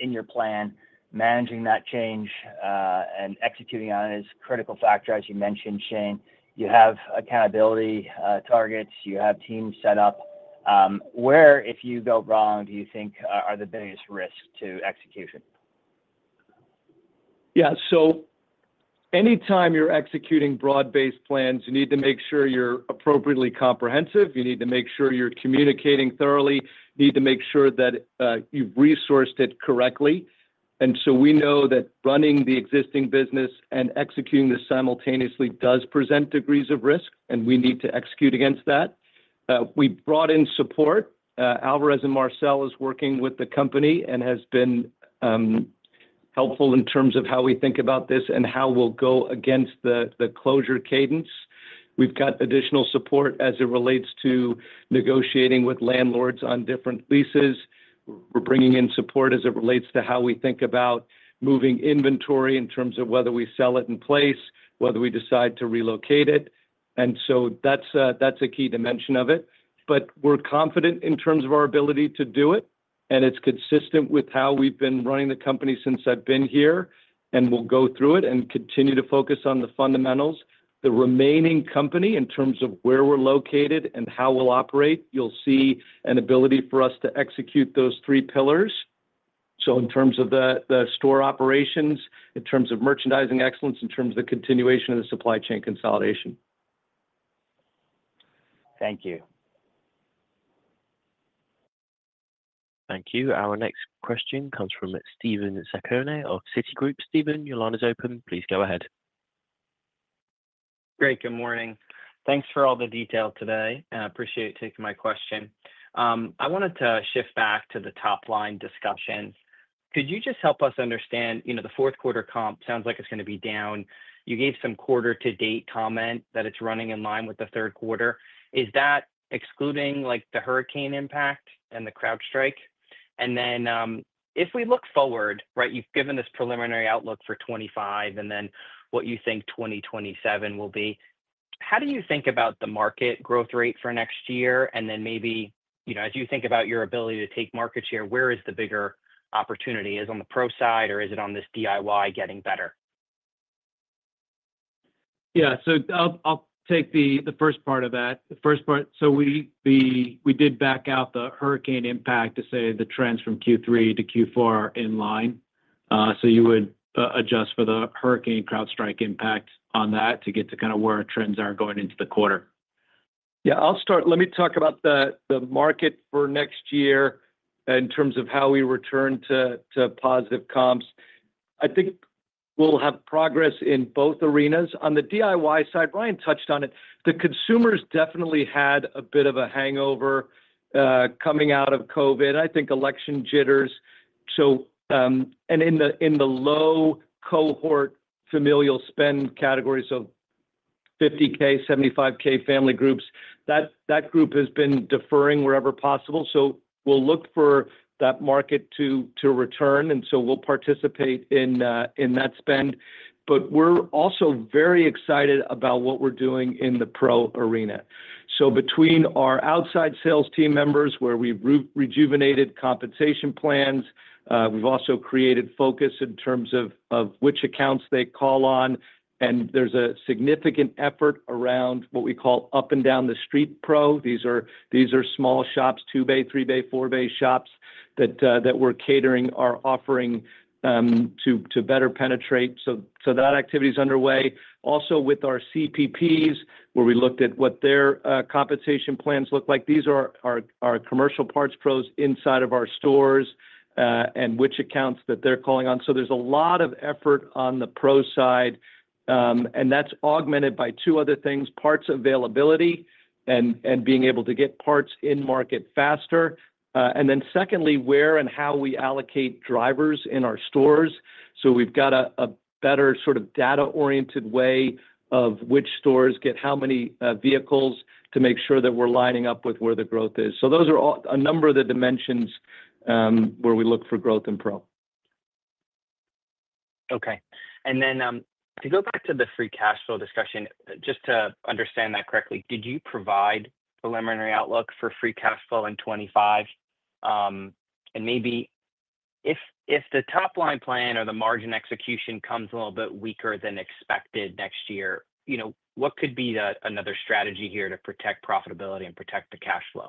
in your plan. Managing that change and executing on it is a critical factor, as you mentioned, Shane. You have accountability targets. You have teams set up. Where, if you go wrong, do you think are the biggest risks to execution? Yeah. So anytime you're executing broad-based plans, you need to make sure you're appropriately comprehensive. You need to make sure you're communicating thoroughly. You need to make sure that you've resourced it correctly. And so we know that running the existing business and executing this simultaneously does present degrees of risk, and we need to execute against that. We brought in support. Alvarez & Marsal is working with the company and has been helpful in terms of how we think about this and how we'll go against the closure cadence. We've got additional support as it relates to negotiating with landlords on different leases. We're bringing in support as it relates to how we think about moving inventory in terms of whether we sell it in place, whether we decide to relocate it. And so that's a key dimension of it. But we're confident in terms of our ability to do it, and it's consistent with how we've been running the company since I've been here. And we'll go through it and continue to focus on the fundamentals. The remaining company, in terms of where we're located and how we'll operate, you'll see an ability for us to execute those three pillars. So in terms of the store operations, in terms of merchandising excellence, in terms of the continuation of the supply chain consolidation. Thank you. Thank you. Our next question comes from Steven Zaccone of Citigroup. Steven, your line is open. Please go ahead. Great. Good morning. Thanks for all the detail today. I appreciate you taking my question. I wanted to shift back to the top-line discussion. Could you just help us understand the fourth-quarter comp sounds like it's going to be down. You gave some quarter-to-date comment that it's running in line with the third quarter. Is that excluding the hurricane impact and the CrowdStrike? And then if we look forward, right, you've given this preliminary outlook for 2025 and then what you think 2027 will be. How do you think about the market growth rate for next year? And then maybe as you think about your ability to take market share, where is the bigger opportunity? Is it on the pro side, or is it on this DIY getting better? Yeah. So I'll take the first part of that. The first part, so we did back out the hurricane impact to say the trends from Q3 to Q4 are in line. So you would adjust for the hurricane CrowdStrike impact on that to get to kind of where trends are going into the quarter. Yeah. Let me talk about the market for next year in terms of how we return to positive comps. I think we'll have progress in both arenas. On the DIY side, Ryan touched on it. The consumers definitely had a bit of a hangover coming out of COVID, and I think election jitters, and in the low-cohort familial spend categories of $50K, $75K family groups, that group has been deferring wherever possible. We'll look for that market to return, and we'll participate in that spend. We're also very excited about what we're doing in the pro arena. Between our outside sales team members where we've rejuvenated compensation plans, we've also created focus in terms of which accounts they call on. There's a significant effort around what we call up-and-down-the-street pro. These are small shops, two-bay, three-bay, four-bay shops that we're catering our offering to better penetrate. That activity is underway. Also with our CPPs where we looked at what their compensation plans look like. These are our commercial parts pros inside of our stores and which accounts that they're calling on. So there's a lot of effort on the pro side, and that's augmented by two other things: parts availability and being able to get parts in market faster. And then secondly, where and how we allocate drivers in our stores. So we've got a better sort of data-oriented way of which stores get how many vehicles to make sure that we're lining up with where the growth is. So those are a number of the dimensions where we look for growth in pro. Okay. And then to go back to the free cash flow discussion, just to understand that correctly, did you provide preliminary outlook for free cash flow in 2025? And maybe if the top-line plan or the margin execution comes a little bit weaker than expected next year, what could be another strategy here to protect profitability and protect the cash flow?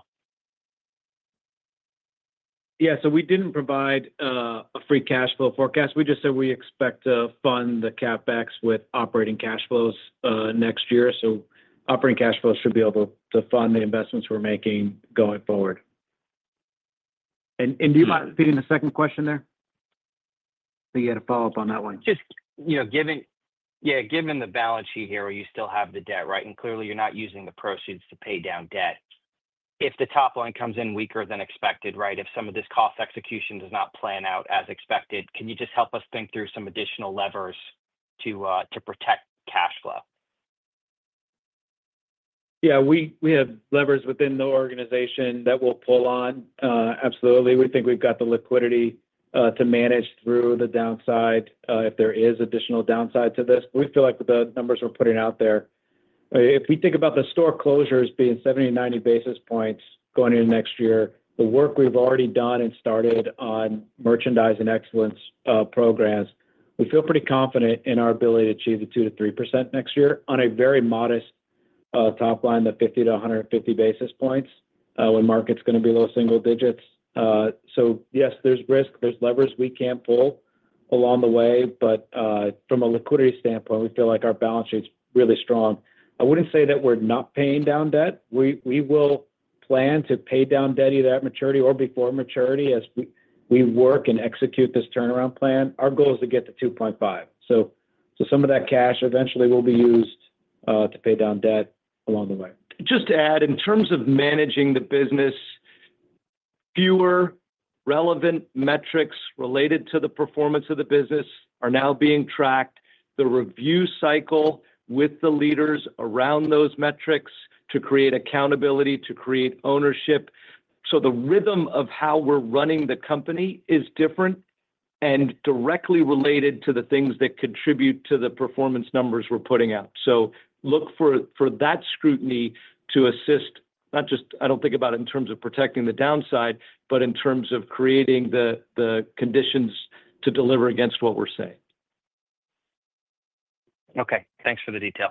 Yeah. So we didn't provide a free cash flow forecast. We just said we expect to fund the CapEx with operating cash flows next year. So operating cash flows should be able to fund the investments we're making going forward. And do you mind repeating the second question there? So you had a follow-up on that one. Yeah. Given the balance sheet here, you still have the debt, right? And clearly, you're not using the proceeds to pay down debt. If the top line comes in weaker than expected, right, if some of this cost execution does not plan out as expected, can you just help us think through some additional levers to protect cash flow? Yeah. We have levers within the organization that we'll pull on. Absolutely. We think we've got the liquidity to manage through the downside if there is additional downside to this. We feel like the numbers we're putting out there, if we think about the store closures being 70-90 basis points going into next year, the work we've already done and started on merchandising excellence programs, we feel pretty confident in our ability to achieve the 2%-3% next year on a very modest top line, the 50-150 basis points when market's going to be low single digits. So yes, there's risk. There's levers we can't pull along the way. But from a liquidity standpoint, we feel like our balance sheet's really strong. I wouldn't say that we're not paying down debt. We will plan to pay down debt either at maturity or before maturity as we work and execute this turnaround plan. Our goal is to get to 2.5. So some of that cash eventually will be used to pay down debt along the way. Just to add, in terms of managing the business, fewer relevant metrics related to the performance of the business are now being tracked. The review cycle with the leaders around those metrics to create accountability, to create ownership. So the rhythm of how we're running the company is different and directly related to the things that contribute to the performance numbers we're putting out. So look for that scrutiny to assist not just, I don't think about it in terms of protecting the downside, but in terms of creating the conditions to deliver against what we're saying. Okay. Thanks for the detail.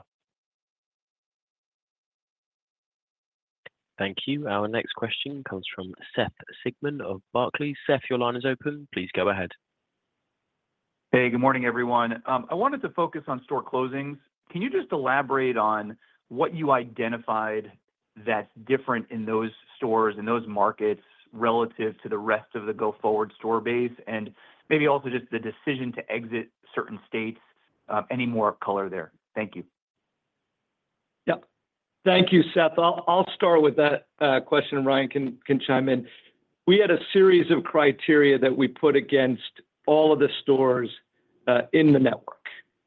Thank you. Our next question comes from Seth Sigman of Barclays. Seth, your line is open. Please go ahead. Hey. Good morning, everyone. I wanted to focus on store closings. Can you just elaborate on what you identified that's different in those stores and those markets relative to the rest of the go-forward store base and maybe also just the decision to exit certain states? Any more color there? Thank you. Yep. Thank you, Seth. I'll start with that question. Ryan can chime in. We had a series of criteria that we put against all of the stores in the network.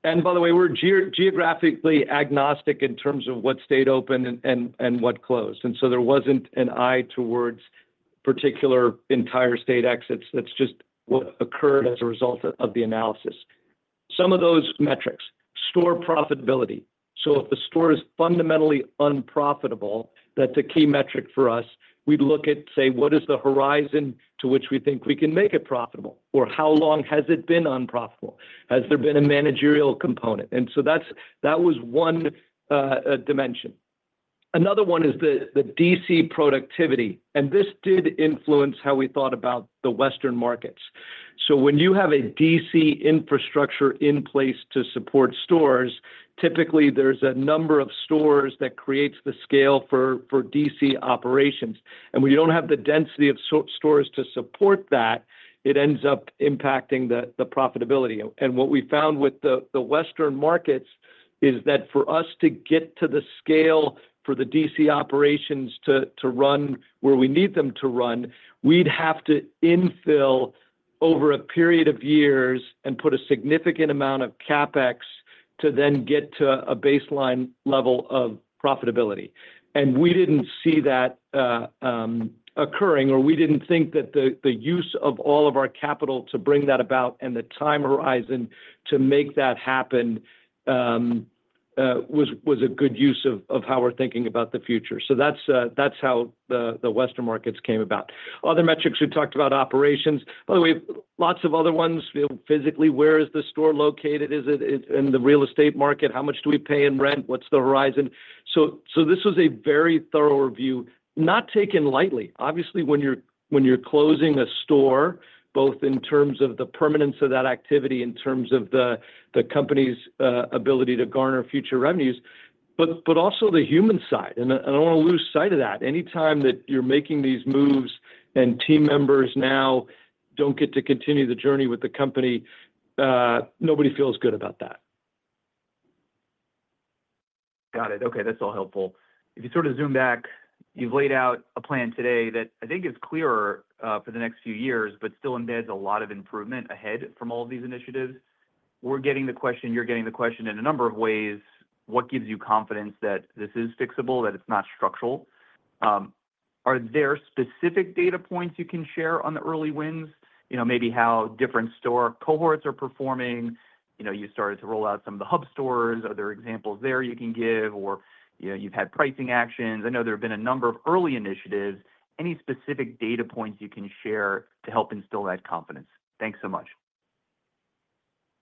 And by the way, we're geographically agnostic in terms of what stayed open and what closed. And so there wasn't an eye towards particular entire state exits. That's just what occurred as a result of the analysis. Some of those metrics: store profitability. So if a store is fundamentally unprofitable, that's a key metric for us. We'd look at, say, what is the horizon to which we think we can make it profitable, or how long has it been unprofitable? Has there been a managerial component? And so that was one dimension. Another one is the DC productivity. And this did influence how we thought about the Western markets. So when you have a DC infrastructure in place to support stores, typically there's a number of stores that creates the scale for DC operations. And when you don't have the density of stores to support that, it ends up impacting the profitability. What we found with the Western markets is that for us to get to the scale for the DC operations to run where we need them to run, we'd have to infill over a period of years and put a significant amount of CapEx to then get to a baseline level of profitability. We didn't see that occurring, or we didn't think that the use of all of our capital to bring that about and the time horizon to make that happen was a good use of how we're thinking about the future. That's how the Western markets came about. Other metrics we talked about operations. By the way, lots of other ones. Physically, where is the store located? Is it in the real estate market? How much do we pay in rent? What's the horizon? This was a very thorough review, not taken lightly. Obviously, when you're closing a store, both in terms of the permanence of that activity, in terms of the company's ability to garner future revenues, but also the human side, and I don't want to lose sight of that. Anytime that you're making these moves and team members now don't get to continue the journey with the company, nobody feels good about that. Got it. Okay. That's all helpful. If you sort of zoom back, you've laid out a plan today that I think is clearer for the next few years, but still embeds a lot of improvement ahead from all of these initiatives. We're getting the question, you're getting the question in a number of ways. What gives you confidence that this is fixable, that it's not structural? Are there specific data points you can share on the early wins? Maybe how different store cohorts are performing? You started to roll out some of the hub stores. Are there examples there you can give? Or you've had pricing actions. I know there have been a number of early initiatives. Any specific data points you can share to help instill that confidence? Thanks so much.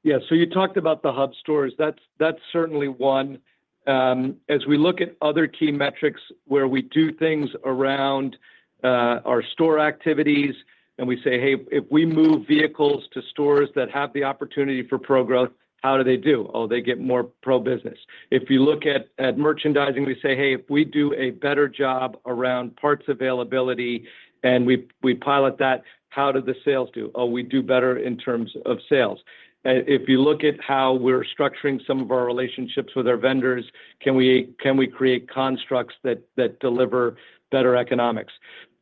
Yeah. So you talked about the hub stores. That's certainly one. As we look at other key metrics where we do things around our store activities and we say, "Hey, if we move vehicles to stores that have the opportunity for pro growth, how do they do?" Oh, they get more pro business. If you look at merchandising, we say, "Hey, if we do a better job around parts availability and we pilot that, how do the sales do?" Oh, we do better in terms of sales. If you look at how we're structuring some of our relationships with our vendors, can we create constructs that deliver better economics?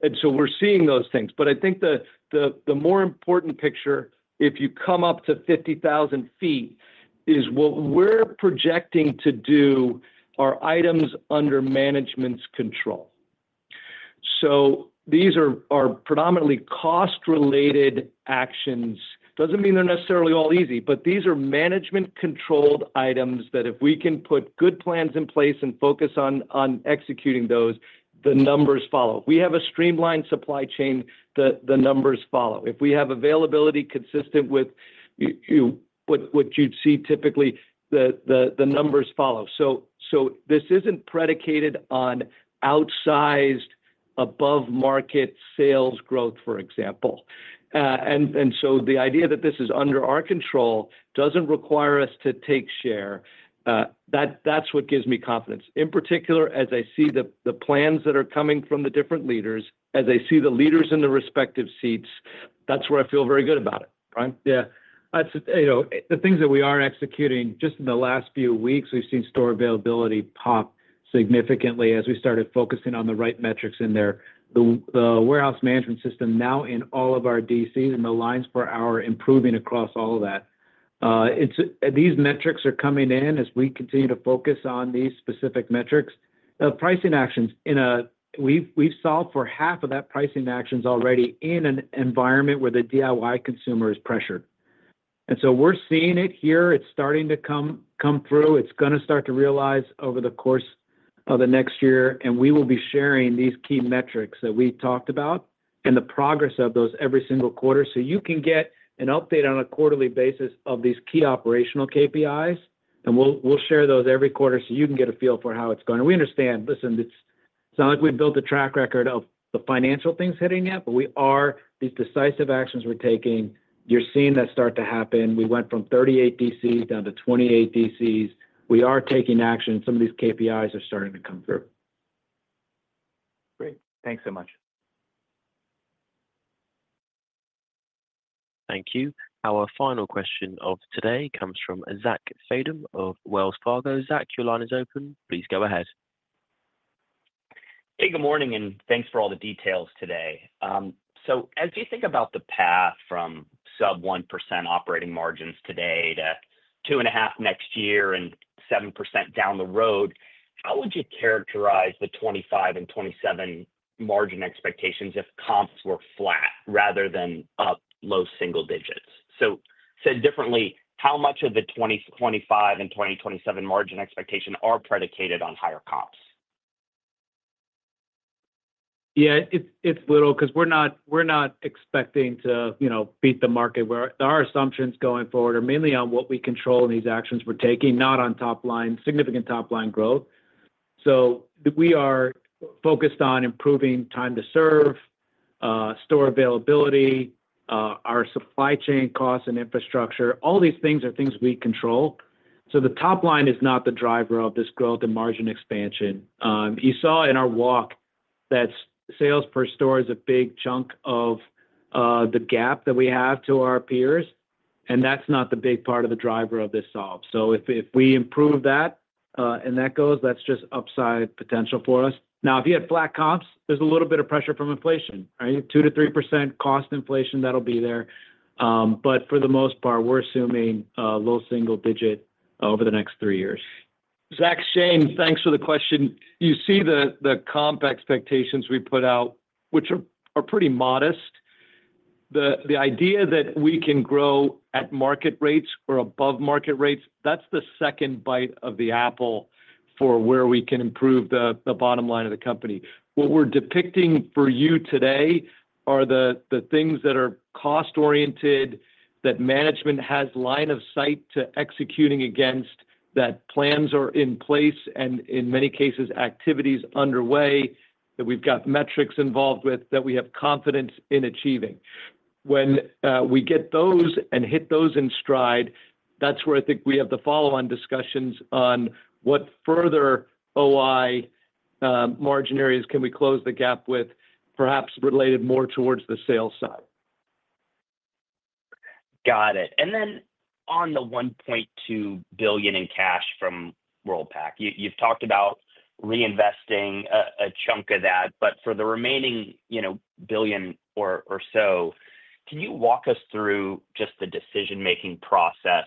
And so we're seeing those things. But I think the more important picture, if you come up to 50,000 feet, is what we're projecting to do are items under management's control. So these are predominantly cost-related actions. Doesn't mean they're necessarily all easy, but these are management-controlled items that if we can put good plans in place and focus on executing those, the numbers follow. If we have a streamlined supply chain, the numbers follow. If we have availability consistent with what you'd see typically, the numbers follow. So this isn't predicated on outsized above-market sales growth, for example. And so the idea that this is under our control doesn't require us to take share. That's what gives me confidence. In particular, as I see the plans that are coming from the different leaders, as I see the leaders in the respective seats, that's where I feel very good about it, right? Yeah. The things that we are executing, just in the last few weeks, we've seen store availability pop significantly as we started focusing on the right metrics in there. The warehouse management system now in all of our DCs and the lines per hour improving across all of that. These metrics are coming in as we continue to focus on these specific metrics. Pricing actions, we've solved for half of that pricing actions already in an environment where the DIY consumer is pressured, and so we're seeing it here. It's starting to come through. It's going to start to realize over the course of the next year. And we will be sharing these key metrics that we talked about and the progress of those every single quarter. So you can get an update on a quarterly basis of these key operational KPIs. And we'll share those every quarter so you can get a feel for how it's going. And we understand, listen, it's not like we've built a track record of the financial things hitting yet, but we are these decisive actions we're taking. You're seeing that start to happen. We went from 38 DCs down to 28 DCs. We are taking action. Some of these KPIs are starting to come through. Great. Thanks so much. Thank you. Our final question of today comes from Zach Fadem of Wells Fargo. Zach, your line is open. Please go ahead. Hey. Good morning. And thanks for all the details today. So as you think about the path from sub 1% operating margins today to 2.5% next year and 7% down the road, how would you characterize the 2025 and 2027 margin expectations if comps were flat rather than up low single digits? So said differently, how much of the 2025 and 2027 margin expectation are predicated on higher comps? Yeah. It's little because we're not expecting to beat the market. Our assumptions going forward are mainly on what we control in these actions we're taking, not on significant top-line growth. So we are focused on improving time to serve, store availability, our supply chain costs, and infrastructure. All these things are things we control. So the top line is not the driver of this growth and margin expansion. You saw in our walk that sales per store is a big chunk of the gap that we have to our peers. And that's not the big part of the driver of this solve. So if we improve that and that goes, that's just upside potential for us. Now, if you had flat comps, there's a little bit of pressure from inflation. Right? 2%-3% cost inflation, that'll be there. But for the most part, we're assuming low single digit over the next three years. Zach, Shane, thanks for the question. You see the comp expectations we put out, which are pretty modest. The idea that we can grow at market rates or above market rates, that's the second bite of the apple for where we can improve the bottom line of the company. What we're depicting for you today are the things that are cost-oriented, that management has line of sight to executing against, that plans are in place, and in many cases, activities underway that we've got metrics involved with that we have confidence in achieving. When we get those and hit those in stride, that's where I think we have the follow-on discussions on what further OI margin areas can we close the gap with, perhaps related more towards the sales side. Got it. And then on the $1.2 billion in cash from Worldpac, you've talked about reinvesting a chunk of that. But for the remaining billion or so, can you walk us through just the decision-making process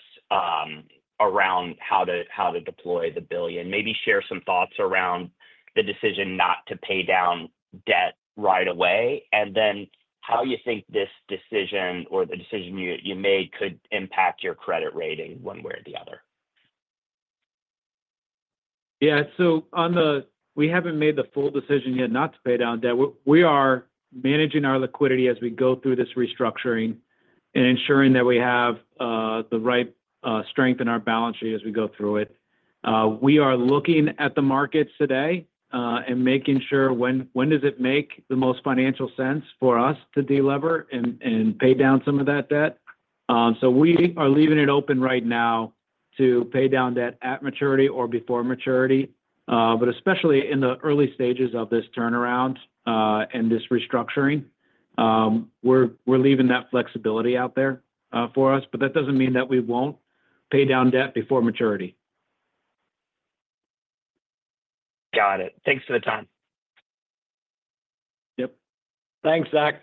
around how to deploy the billion? Maybe share some thoughts around the decision not to pay down debt right away, and then how you think this decision or the decision you made could impact your credit rating one way or the other. Yeah. So we haven't made the full decision yet not to pay down debt. We are managing our liquidity as we go through this restructuring and ensuring that we have the right strength in our balance sheet as we go through it. We are looking at the markets today and making sure when does it make the most financial sense for us to delever and pay down some of that debt. So we are leaving it open right now to pay down debt at maturity or before maturity. But especially in the early stages of this turnaround and this restructuring, we're leaving that flexibility out there for us. But that doesn't mean that we won't pay down debt before maturity. Got it. Thanks for the time. Yep. Thanks, Zach.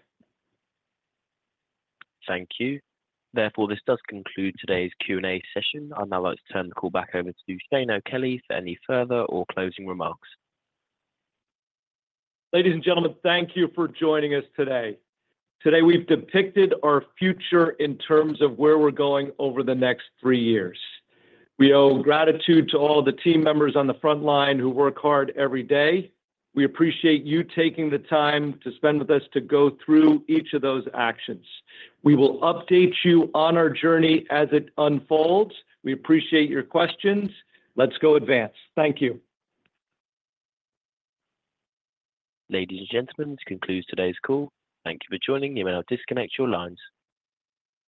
Thank you. Therefore, this does conclude today's Q&A session. I'd now like to turn the call back over to Shane O'Kelly for any further or closing remarks. Ladies and gentlemen, thank you for joining us today. Today, we've depicted our future in terms of where we're going over the next three years. We owe gratitude to all the team members on the front line who work hard every day. We appreciate you taking the time to spend with us to go through each of those actions. We will update you on our journey as it unfolds. We appreciate your questions. Let's go Advance. Thank you. Ladies and gentlemen, this concludes today's call. Thank you for joining. You may now disconnect your lines.